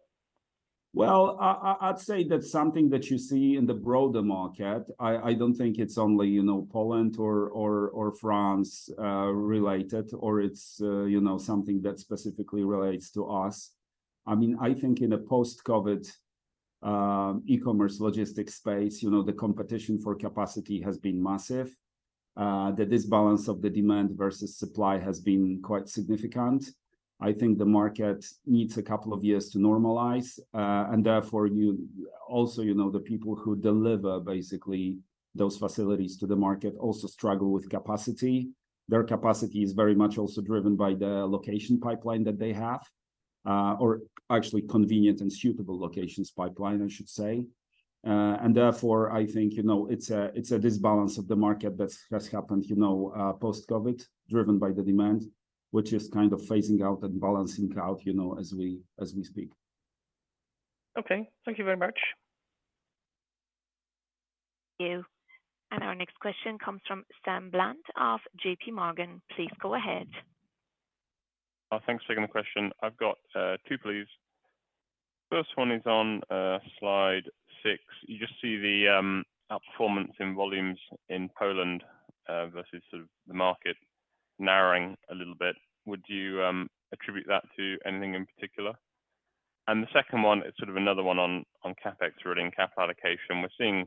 S4: Well, I'd say that's something that you see in the broader market. I don't think it's only, you know, Poland or France related, or it's, you know, something that specifically relates to us. I mean, I think in a post-COVID e-commerce logistics space, you know, the competition for capacity has been massive. The disbalance of the demand versus supply has been quite significant. I think the market needs a couple of years to normalize, and therefore, you... Also, you know, the people who deliver basically those facilities to the market also struggle with capacity. Their capacity is very much also driven by the location pipeline that they have, or actually convenient and suitable locations pipeline, I should say. Therefore, I think, you know, it's a disbalance of the market that's happened, you know, post-COVID, driven by the demand, which is kind of phasing out and balancing out, you know, as we speak.
S12: Okay. Thank you very much.
S6: Thank you. Our next question comes from Sam Bland of JPMorgan. Please go ahead.
S12: Thanks for taking the question. I've got 2, please. First one is on slide 6. You just see the outperformance in volumes in Poland versus the market narrowing a little bit. Would you attribute that to anything in particular? The second one is sort of another one on CapEx really, and CapEx allocation. We're seeing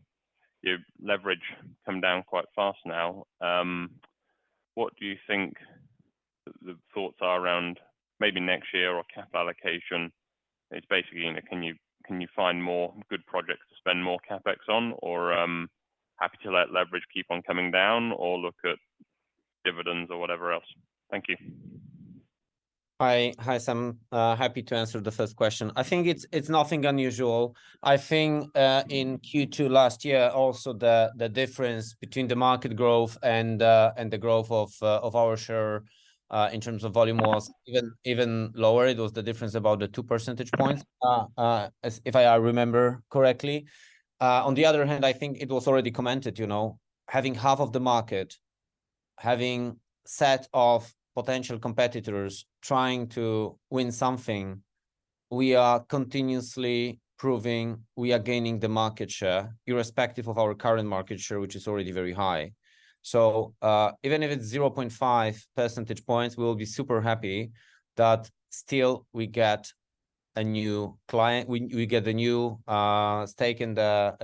S12: your leverage come down quite fast now. What do you think the thoughts are around maybe next year or CapEx allocation? It's basically, you know, can you find more good projects to spend more CapEx on, or happy to let leverage keep on coming down or look at dividends or whatever else? Thank you.
S2: Hi. Hi, Sam. Happy to answer the first question. I think it's nothing unusual. I think in Q2 last year, also, the difference between the market growth and the growth of our share in terms of volume was even lower. It was the difference about the 2 percentage points, if I remember correctly. On the other hand, I think it was already commented, you know, having half of the market, having set of potential competitors trying to win something, we are continuously proving we are gaining the market share, irrespective of our current market share, which is already very high. So, even if it's 0.5 percentage points, we will be super happy that still we get a new client. We get a new higher stake in the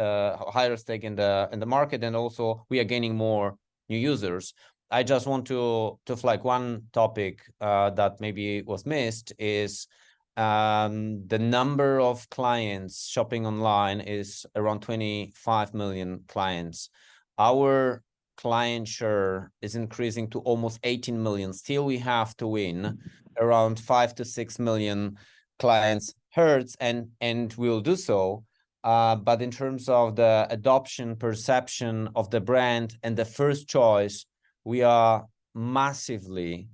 S2: market, and also we are gaining more new users. I just want to flag one topic that maybe was missed, is the number of clients shopping online is around 25 million clients. Our client share is increasing to almost 18 million. Still, we have to win around 5-6 million clients' hearts, and we'll do so. But in terms of the adoption, perception of the brand and the first choice, we are massively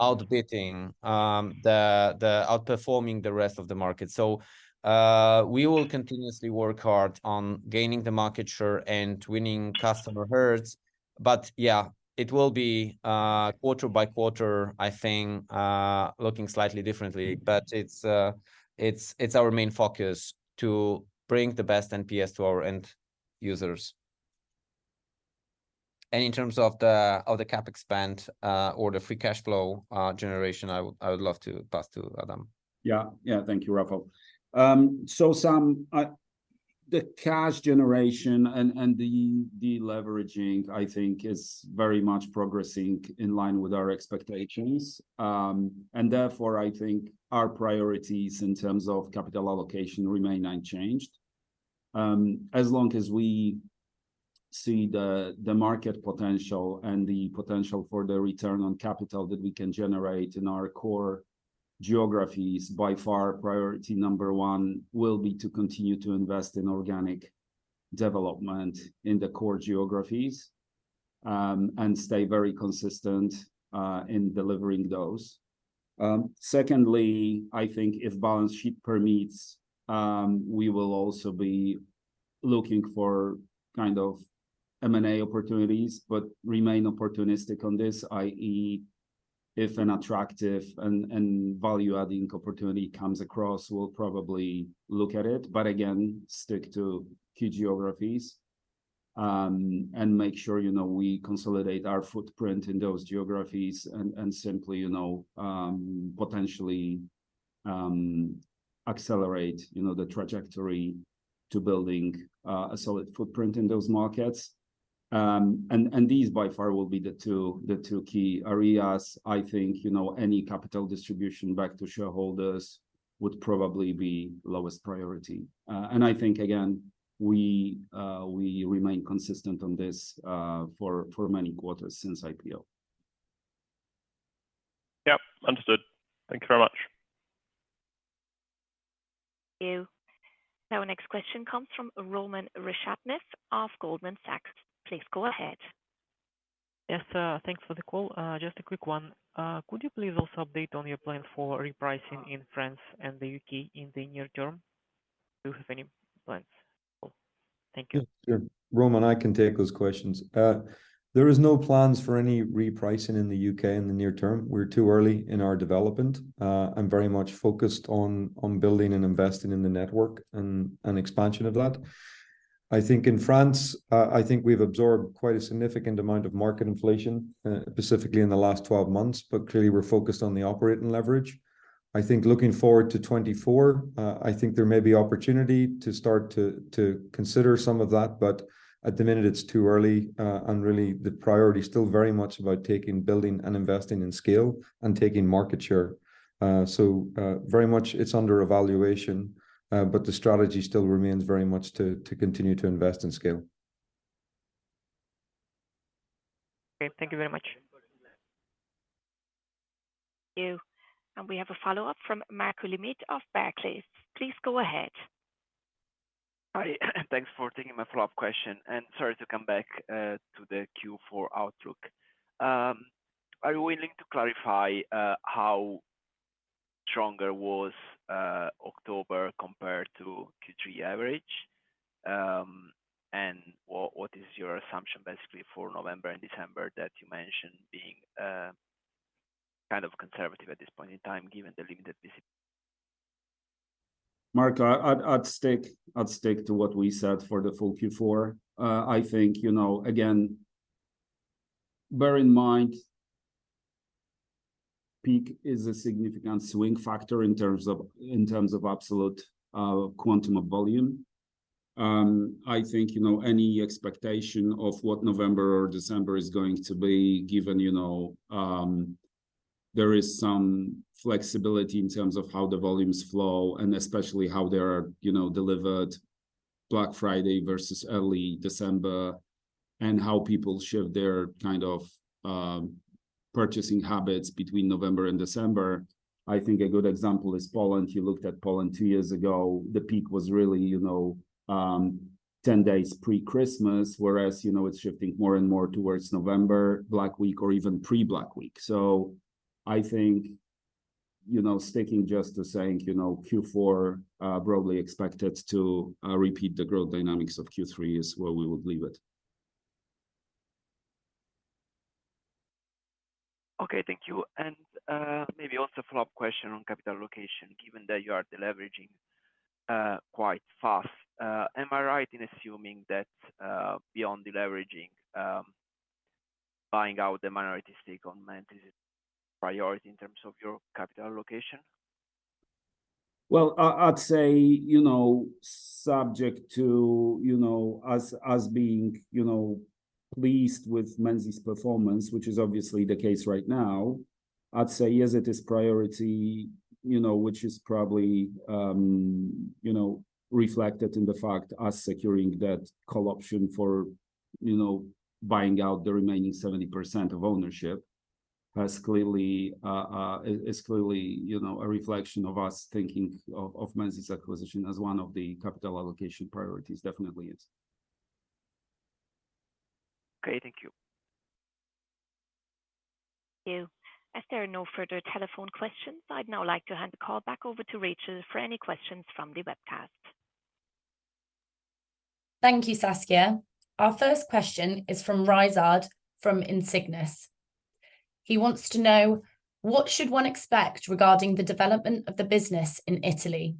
S2: outperforming the rest of the market. So, we will continuously work hard on gaining the market share and winning customers' hearts. But yeah, it will be quarter by quarter, I think, looking slightly differently. But it's our main focus to bring the best NPS to our end users. And in terms of the CapEx spend, or the free cash flow generation, I would love to pass to Adam.
S4: Yeah. Yeah. Thank you, Rafał. So Sam, the cash generation and, and the deleveraging, I think, is very much progressing in line with our expectations. And therefore, I think our priorities in terms of capital allocation remain unchanged. As long as we see the, the market potential and the potential for the return on capital that we can generate in our core geographies, by far, priority number one will be to continue to invest in organic development in the core geographies, and stay very consistent, in delivering those. Secondly, I think if balance sheet permits, we will also be looking for kind of M&A opportunities, but remain opportunistic on this, i.e., if an attractive and value-adding opportunity comes across, we'll probably look at it, but again, stick to key geographies, and make sure, you know, we consolidate our footprint in those geographies and simply, you know, potentially accelerate, you know, the trajectory to building a solid footprint in those markets. And these, by far, will be the two key areas. I think, you know, any capital distribution back to shareholders would probably be lowest priority. And I think, again, we remain consistent on this for many quarters since IPO.
S12: Yep. Understood. Thank you very much.
S6: Thank you. Now, our next question comes from Roman Meshcheryakov of Goldman Sachs. Please go ahead.
S13: Yes, thanks for the call. Just a quick one. Could you please also update on your plan for repricing in France and the UK in the near term? Do you have any plans? Thank you.
S3: Sure. Roman, I can take those questions. There is no plans for any repricing in the UK in the near term. We're too early in our development. I'm very much focused on, on building and investing in the network and, and expansion of that. I think in France, I think we've absorbed quite a significant amount of market inflation, specifically in the last 12 months, but clearly, we're focused on the operating leverage. I think looking forward to 2024, I think there may be opportunity to start to, to consider some of that, but at the minute, it's too early. Really, the priority is still very much about taking, building, and investing in scale and taking market share. Very much it's under evaluation, but the strategy still remains very much to, to continue to invest in scale....
S2: Okay, thank you very much.
S6: Thank you. We have a follow-up from Marco Limite of Barclays. Please go ahead.
S9: Hi, thanks for taking my follow-up question, and sorry to come back to the Q4 outlook. Are you willing to clarify how stronger was October compared to Q3 average? And what is your assumption basically for November and December that you mentioned being kind of conservative at this point in time, given the limited-
S4: Mark, I'd stick to what we said for the full Q4. I think, you know, again, bear in mind, peak is a significant swing factor in terms of absolute quantum of volume. I think, you know, any expectation of what November or December is going to be given, you know, there is some flexibility in terms of how the volumes flow, and especially how they are, you know, delivered Black Friday versus early December, and how people shift their kind of purchasing habits between November and December. I think a good example is Poland. You looked at Poland two years ago, the peak was really, you know, 10 days pre-Christmas, whereas, you know, it's shifting more and more towards November Black Week or even pre-Black Week. I think, you know, sticking just to saying, you know, Q4 broadly expected to repeat the growth dynamics of Q3 is where we would leave it.
S9: Okay, thank you. Maybe also a follow-up question on capital allocation, given that you are deleveraging quite fast. Am I right in assuming that, beyond deleveraging, buying out the minority stake in Menzies is priority in terms of your capital allocation?
S4: Well, I'd say, you know, subject to, you know, us being, you know, pleased with Menzies performance, which is obviously the case right now. I'd say yes, it is priority, you know, which is probably, you know, reflected in the fact us securing that call option for, you know, buying out the remaining 70% of ownership, has clearly, is clearly, you know, a reflection of us thinking of Menzies acquisition as one of the capital allocation priorities. Definitely, yes.
S9: Okay, thank you.
S6: Thank you. As there are no further telephone questions, I'd now like to hand the call back over to Rachel for any questions from the webcast.
S5: Thank you, Saskia. Our first question is from Rizad from Insignis. He wants to know: What should one expect regarding the development of the business in Italy,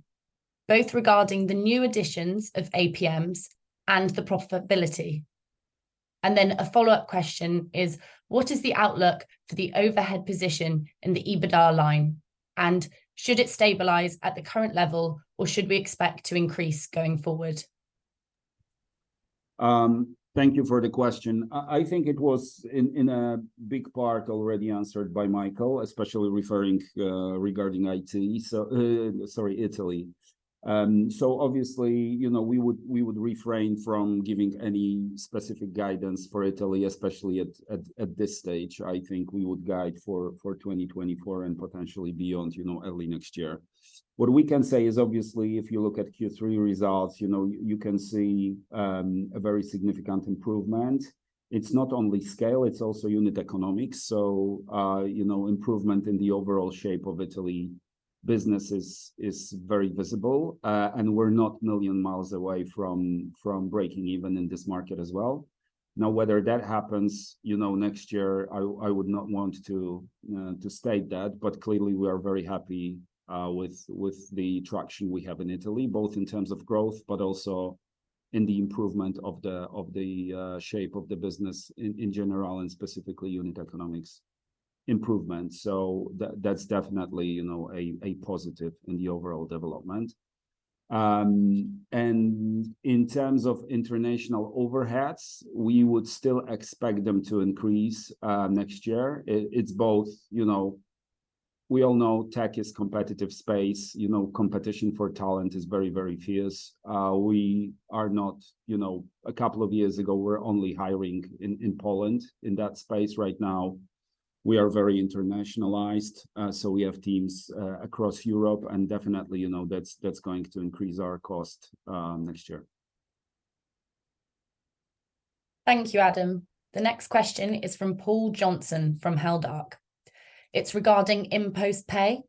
S5: both regarding the new additions of APMs and the profitability? And then a follow-up question is: What is the outlook for the overhead position in the EBITDA line, and should it stabilize at the current level, or should we expect to increase going forward?
S4: Thank you for the question. I think it was in a big part already answered by Michael, especially referring regarding Italy. So, sorry, Italy. So obviously, you know, we would refrain from giving any specific guidance for Italy, especially at this stage. I think we would guide for 2024 and potentially beyond, you know, early next year. What we can say is, obviously, if you look at Q3 results, you know, you can see a very significant improvement. It's not only scale, it's also unit economics. So, you know, improvement in the overall shape of Italy business is very visible, and we're not million miles away from breaking even in this market as well. Now, whether that happens, you know, next year, I would not want to state that, but clearly, we are very happy with the traction we have in Italy, both in terms of growth, but also in the improvement of the shape of the business in general, and specifically unit economics improvement. So that's definitely, you know, a positive in the overall development. And in terms of international overheads, we would still expect them to increase next year. It's both... You know, we all know tech is competitive space. You know, competition for talent is very, very fierce. We are not, you know, a couple of years ago, we're only hiring in Poland in that space. Right now, we are very internationalized, so we have teams across Europe, and definitely, you know, that's going to increase our cost next year.
S5: Thank you, Adam. The next question is from Paul Khryyanov, from Bank of America. It's regarding InPost Pay.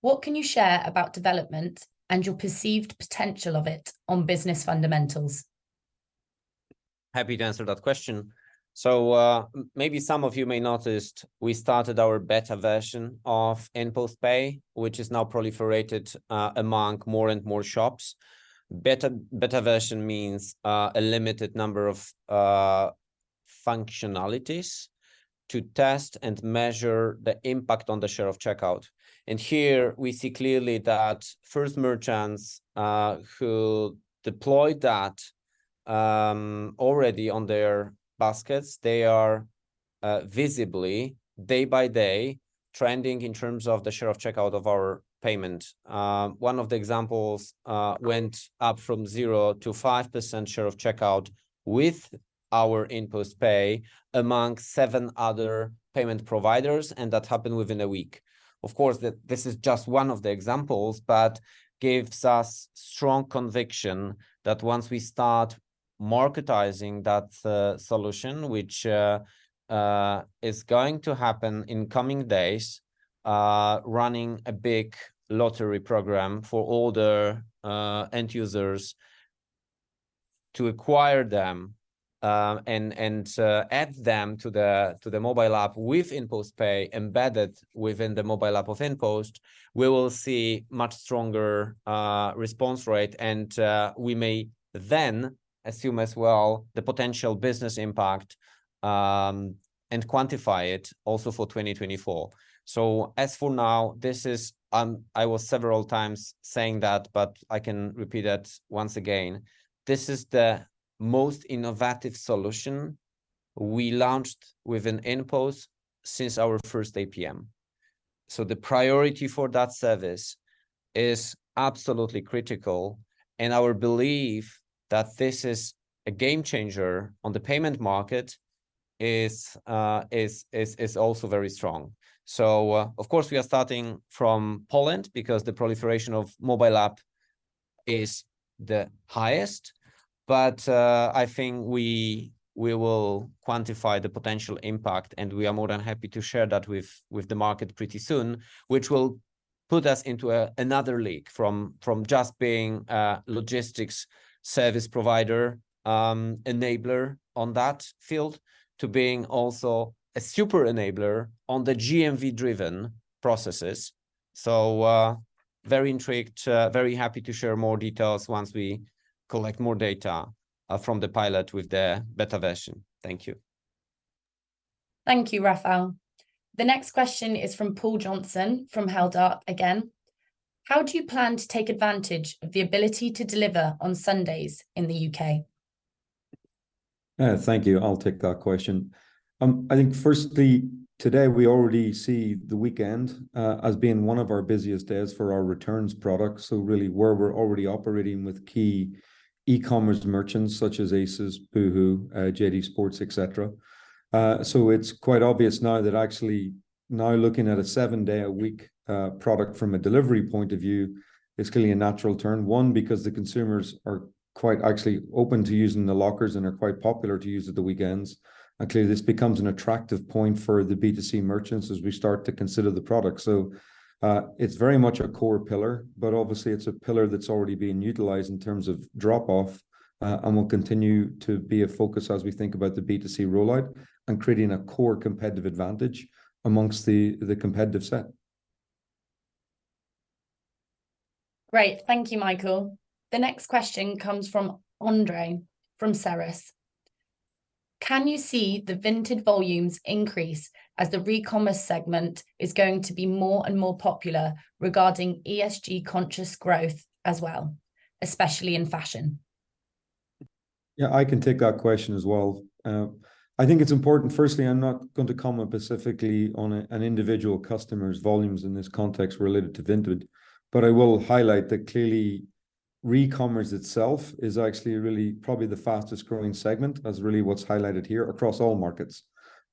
S5: What can you share about development and your perceived potential of it on business fundamentals?
S2: Happy to answer that question. So, maybe some of you may noticed, we started our beta version of InPost Pay, which is now proliferated among more and more shops. Beta version means a limited number of functionalities to test and measure the impact on the share of checkout. And here we see clearly that first merchants who deployed that already on their baskets, they are visibly day by day trending in terms of the share of checkout of our payment. One of the examples went up from 0% to 5% share of checkout with our InPost Pay among seven other payment providers, and that happened within a week. Of course, this is just one of the examples, but gives us strong conviction that once we start marketizing that solution, which is going to happen in coming days, running a big lottery program for all the end users to acquire them, and add them to the mobile app with InPost Pay embedded within the mobile app of InPost, we will see much stronger response rate. And we may then assume as well the potential business impact, and quantify it also for 2024. So as for now, this is, I was several times saying that, but I can repeat that once again, this is the most innovative solution we launched within InPost since our first APM. So the priority for that service is absolutely critical, and our belief that this is a game changer on the payment market is also very strong. So, of course, we are starting from Poland, because the proliferation of mobile app is the highest, but, I think we will quantify the potential impact, and we are more than happy to share that with the market pretty soon, which will put us into another league, from just being a logistics service provider, enabler on that field, to being also a super enabler on the GMV-driven processes. So, very intrigued, very happy to share more details once we collect more data, from the pilot with the beta version. Thank you.
S5: Thank you, Rafał. The next question is from Paul Johnson, from Haldart again: How do you plan to take advantage of the ability to deliver on Sundays in the UK?
S3: Thank you. I'll take that question. I think firstly, today, we already see the weekend as being one of our busiest days for our returns product, so really where we're already operating with key e-commerce merchants such as ASOS, Boohoo, JD Sports, et cetera. So it's quite obvious now that actually now looking at a seven-day-a-week product from a delivery point of view, it's clearly a natural turn, one, because the consumers are quite actually open to using the lockers and are quite popular to use at the weekends, and clearly this becomes an attractive point for the B2C merchants as we start to consider the product. So, it's very much a core pillar, but obviously it's a pillar that's already being utilized in terms of drop-off, and will continue to be a focus as we think about the B2C rollout and creating a core competitive advantage among the competitive set.
S5: Great. Thank you, Michael. The next question comes from Andre, from Ceres: Can you see the Vinted volumes increase as the recommerce segment is going to be more and more popular regarding ESG-conscious growth as well, especially in fashion?
S3: Yeah, I can take that question as well. I think it's important, firstly, I'm not going to comment specifically on a, an individual customer's volumes in this context related to Vinted, but I will highlight that clearly recommerce itself is actually really probably the fastest-growing segment. That's really what's highlighted here across all markets.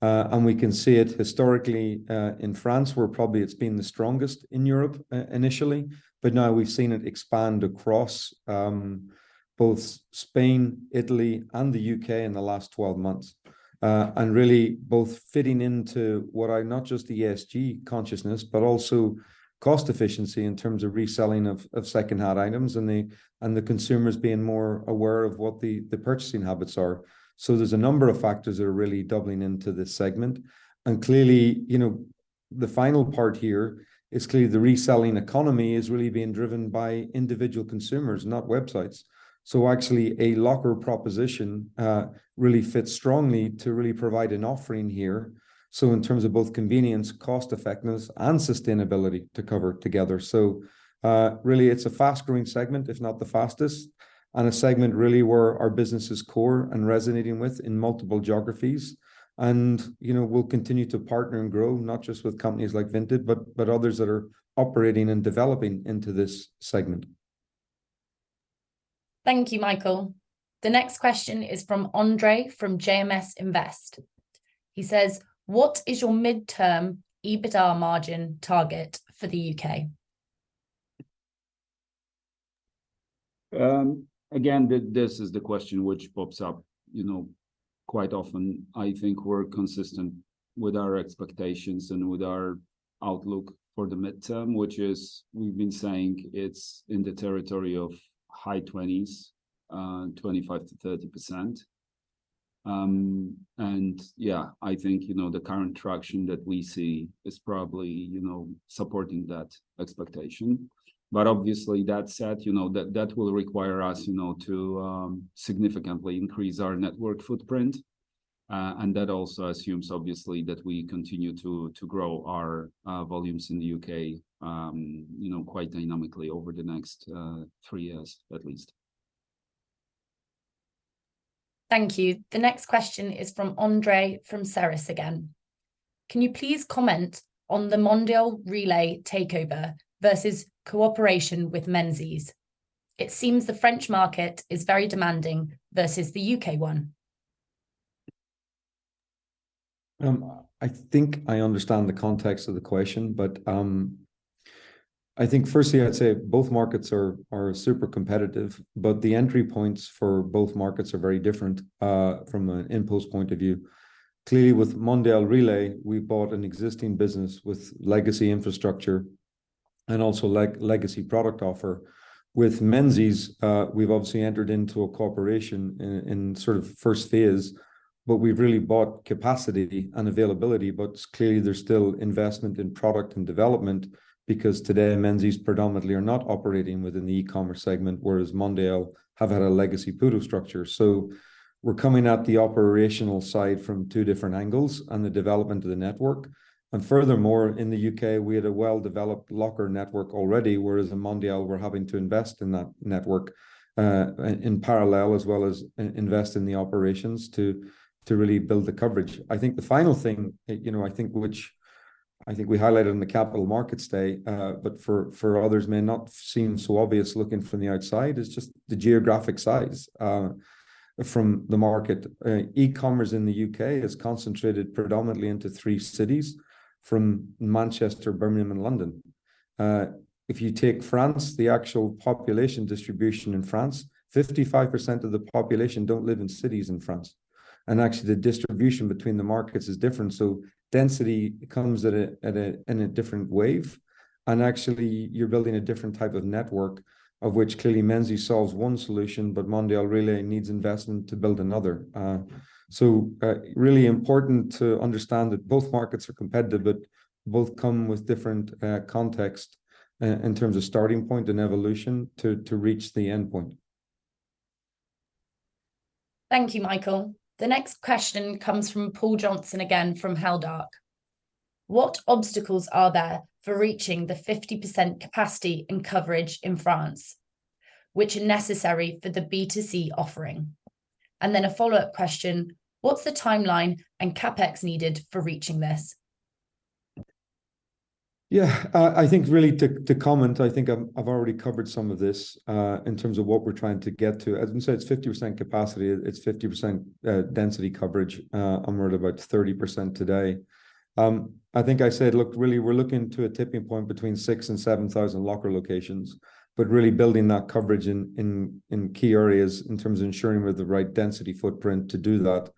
S3: And we can see it historically in France, where probably it's been the strongest in Europe initially, but now we've seen it expand across both Spain, Italy and the UK in the last 12 months. And really both fitting into what I- not just the ESG consciousness, but also cost efficiency in terms of reselling of, of second-hand items and the, and the consumers being more aware of what the, the purchasing habits are. So there's a number of factors that are really doubling into this segment. Clearly, you know, the final part here is clearly the reselling economy is really being driven by individual consumers, not websites. So actually, a locker proposition really fits strongly to really provide an offering here, so in terms of both convenience, cost-effectiveness, and sustainability to cover together. Really it's a fast-growing segment, if not the fastest, and a segment really where our business is core and resonating with in multiple geographies. And, you know, we'll continue to partner and grow, not just with companies like Vinted, but others that are operating and developing into this segment.
S5: Thank you, Michael. The next question is from Andre, from JMS Invest. He says, "What is your midterm EBITDA margin target for the UK?
S2: Again, this is the question which pops up, you know, quite often. I think we're consistent with our expectations and with our outlook for the midterm, which is, we've been saying it's in the territory of high twenties, twenty-five to thirty percent. And yeah, I think, you know, the current traction that we see is probably, you know, supporting that expectation. But obviously, that said, you know, that, that will require us, you know, to significantly increase our network footprint, and that also assumes, obviously, that we continue to, to grow our, volumes in the UK, you know, quite dynamically over the next three years at least. ...
S5: Thank you. The next question is from Andre from Ceres again: Can you please comment on the Mondial Relay takeover versus cooperation with Menzies? It seems the French market is very demanding versus the UK one.
S3: I think I understand the context of the question, but I think firstly, I'd say both markets are super competitive, but the entry points for both markets are very different from an InPost point of view. Clearly, with Mondial Relay, we bought an existing business with legacy infrastructure and also legacy product offer. With Menzies, we've obviously entered into a cooperation in sort of first phase, but we've really bought capacity and availability. But clearly there's still investment in product and development, because today, Menzies predominantly are not operating within the e-commerce segment, whereas Mondial have had a legacy PUDO structure. So we're coming at the operational side from two different angles and the development of the network. Furthermore, in the UK, we had a well-developed locker network already, whereas in Mondial, we're having to invest in that network, in parallel, as well as invest in the operations to really build the coverage. I think the final thing, you know, I think, which I think we highlighted in the Capital Markets Day, but for others, may not seem so obvious looking from the outside, is just the geographic size from the market. E-commerce in the UK is concentrated predominantly into three cities, from Manchester, Birmingham, and London. If you take France, the actual population distribution in France, 55% of the population don't live in cities in France, and actually, the distribution between the markets is different. So density comes in a different wave, and actually, you're building a different type of network, of which clearly Menzies solves one solution, but Mondial Relay needs investment to build another. So, really important to understand that both markets are competitive, but both come with different context in terms of starting point and evolution to reach the endpoint.
S5: Thank you, Michael. The next question comes from Paul Johnson, again from Haldark: What obstacles are there for reaching the 50% capacity and coverage in France, which are necessary for the B2C offering? And then a follow-up question: What's the timeline and CapEx needed for reaching this?
S3: Yeah, I think really to comment, I think I've already covered some of this, in terms of what we're trying to get to. As we said, it's 50% capacity, it's 50%, density coverage. And we're at about 30% today. I think I said, look, really, we're looking to a tipping point between 6,000 and 7,000 locker locations, but really building that coverage in key areas in terms of ensuring we have the right density footprint to do that.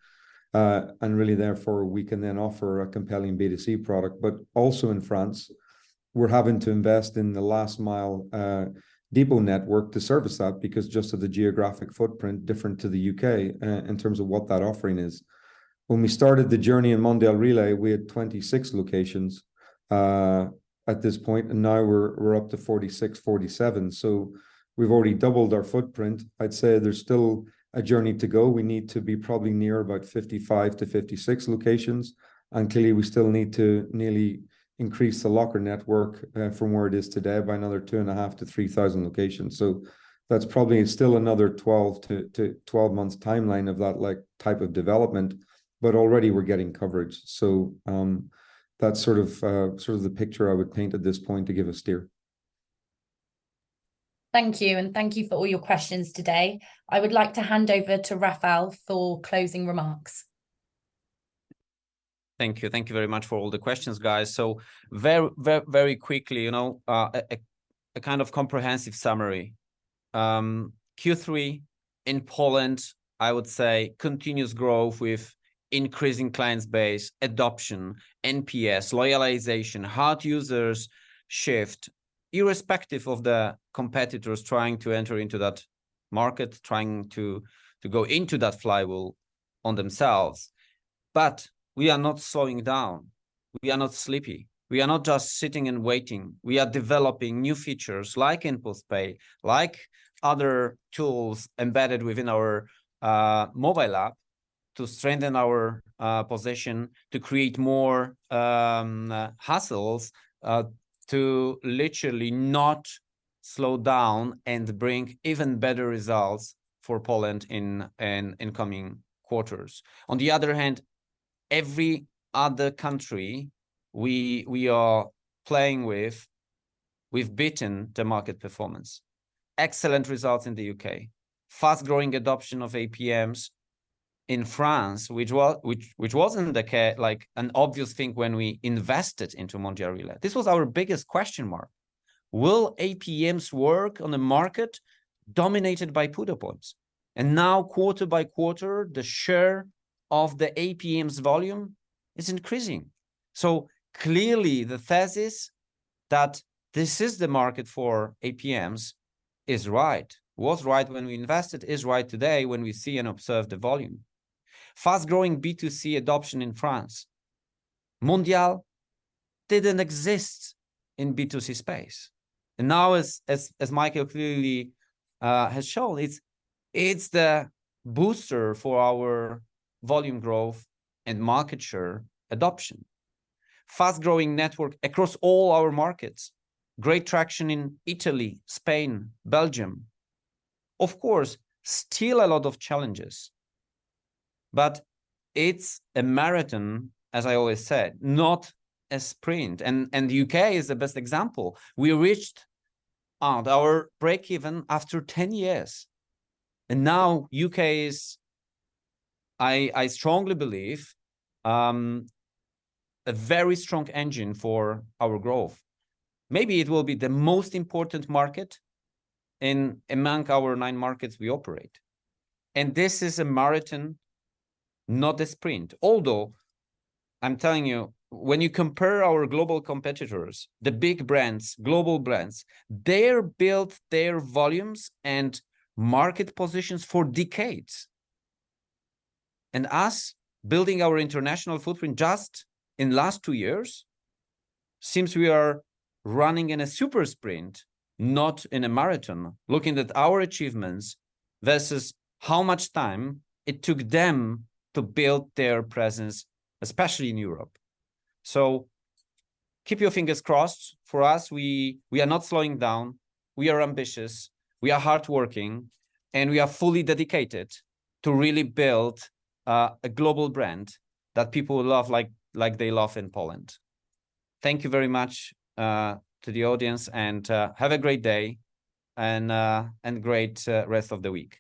S3: And really therefore, we can then offer a compelling B2C product. But also in France, we're having to invest in the last mile, depot network to service that, because just of the geographic footprint, different to the UK, in terms of what that offering is. When we started the journey in Mondial Relay, we had 26 locations at this point, and now we're up to 46, 47. So we've already doubled our footprint. I'd say there's still a journey to go. We need to be probably near about 55-56 locations, and clearly, we still need to nearly increase the locker network from where it is today by another 2.5-3,000 locations. So that's probably still another 12-12 months timeline of that like type of development, but already we're getting coverage. So that's sort of sort of the picture I would paint at this point to give a steer.
S5: Thank you, and thank you for all your questions today. I would like to hand over to Rafał for closing remarks.
S2: Thank you. Thank you very much for all the questions, guys. So very, very, very quickly, you know, a kind of comprehensive summary. Q3 in Poland, I would say continuous growth with increasing client base, adoption, NPS, loyalization, hard users shift, irrespective of the competitors trying to enter into that market, trying to go into that flywheel on themselves. But we are not slowing down. We are not sleepy. We are not just sitting and waiting. We are developing new features like InPost Pay, like other tools embedded within our mobile app to strengthen our position, to create more hassles, to literally not slow down and bring even better results for Poland in incoming quarters. On the other hand, every other country we are playing with, we've beaten the market performance. Excellent results in the UK. Fast-growing adoption of APMs in France, which wasn't the case, like, an obvious thing when we invested into Mondial Relay. This was our biggest question mark: Will APMs work on a market dominated by PUDO pods? And now, quarter by quarter, the share of the APMs volume is increasing. So clearly, the thesis that this is the market for APMs is right. Was right when we invested, is right today when we see and observe the volume. Fast-growing B2C adoption in France. Mondial didn't exist in B2C space, and now, as Michael clearly has shown, it's the booster for our volume growth and market share adoption. Fast-growing network across all our markets. Great traction in Italy, Spain, Belgium. Of course, still a lot of challenges, but it's a marathon, as I always said, not a sprint, and the UK is the best example. We reached our break-even after ten years, and now UK is, I strongly believe, a very strong engine for our growth. Maybe it will be the most important market in among our nine markets we operate. And this is a marathon, not a sprint. Although, I'm telling you, when you compare our global competitors, the big brands, global brands, they built their volumes and market positions for decades. And us building our international footprint just in last two years, seems we are running in a super sprint, not in a marathon, looking at our achievements versus how much time it took them to build their presence, especially in Europe. So keep your fingers crossed for us. We are not slowing down. We are ambitious, we are hardworking, and we are fully dedicated to really build a global brand that people love, like they love in Poland. Thank you very much to the audience, and have a great day and great rest of the week.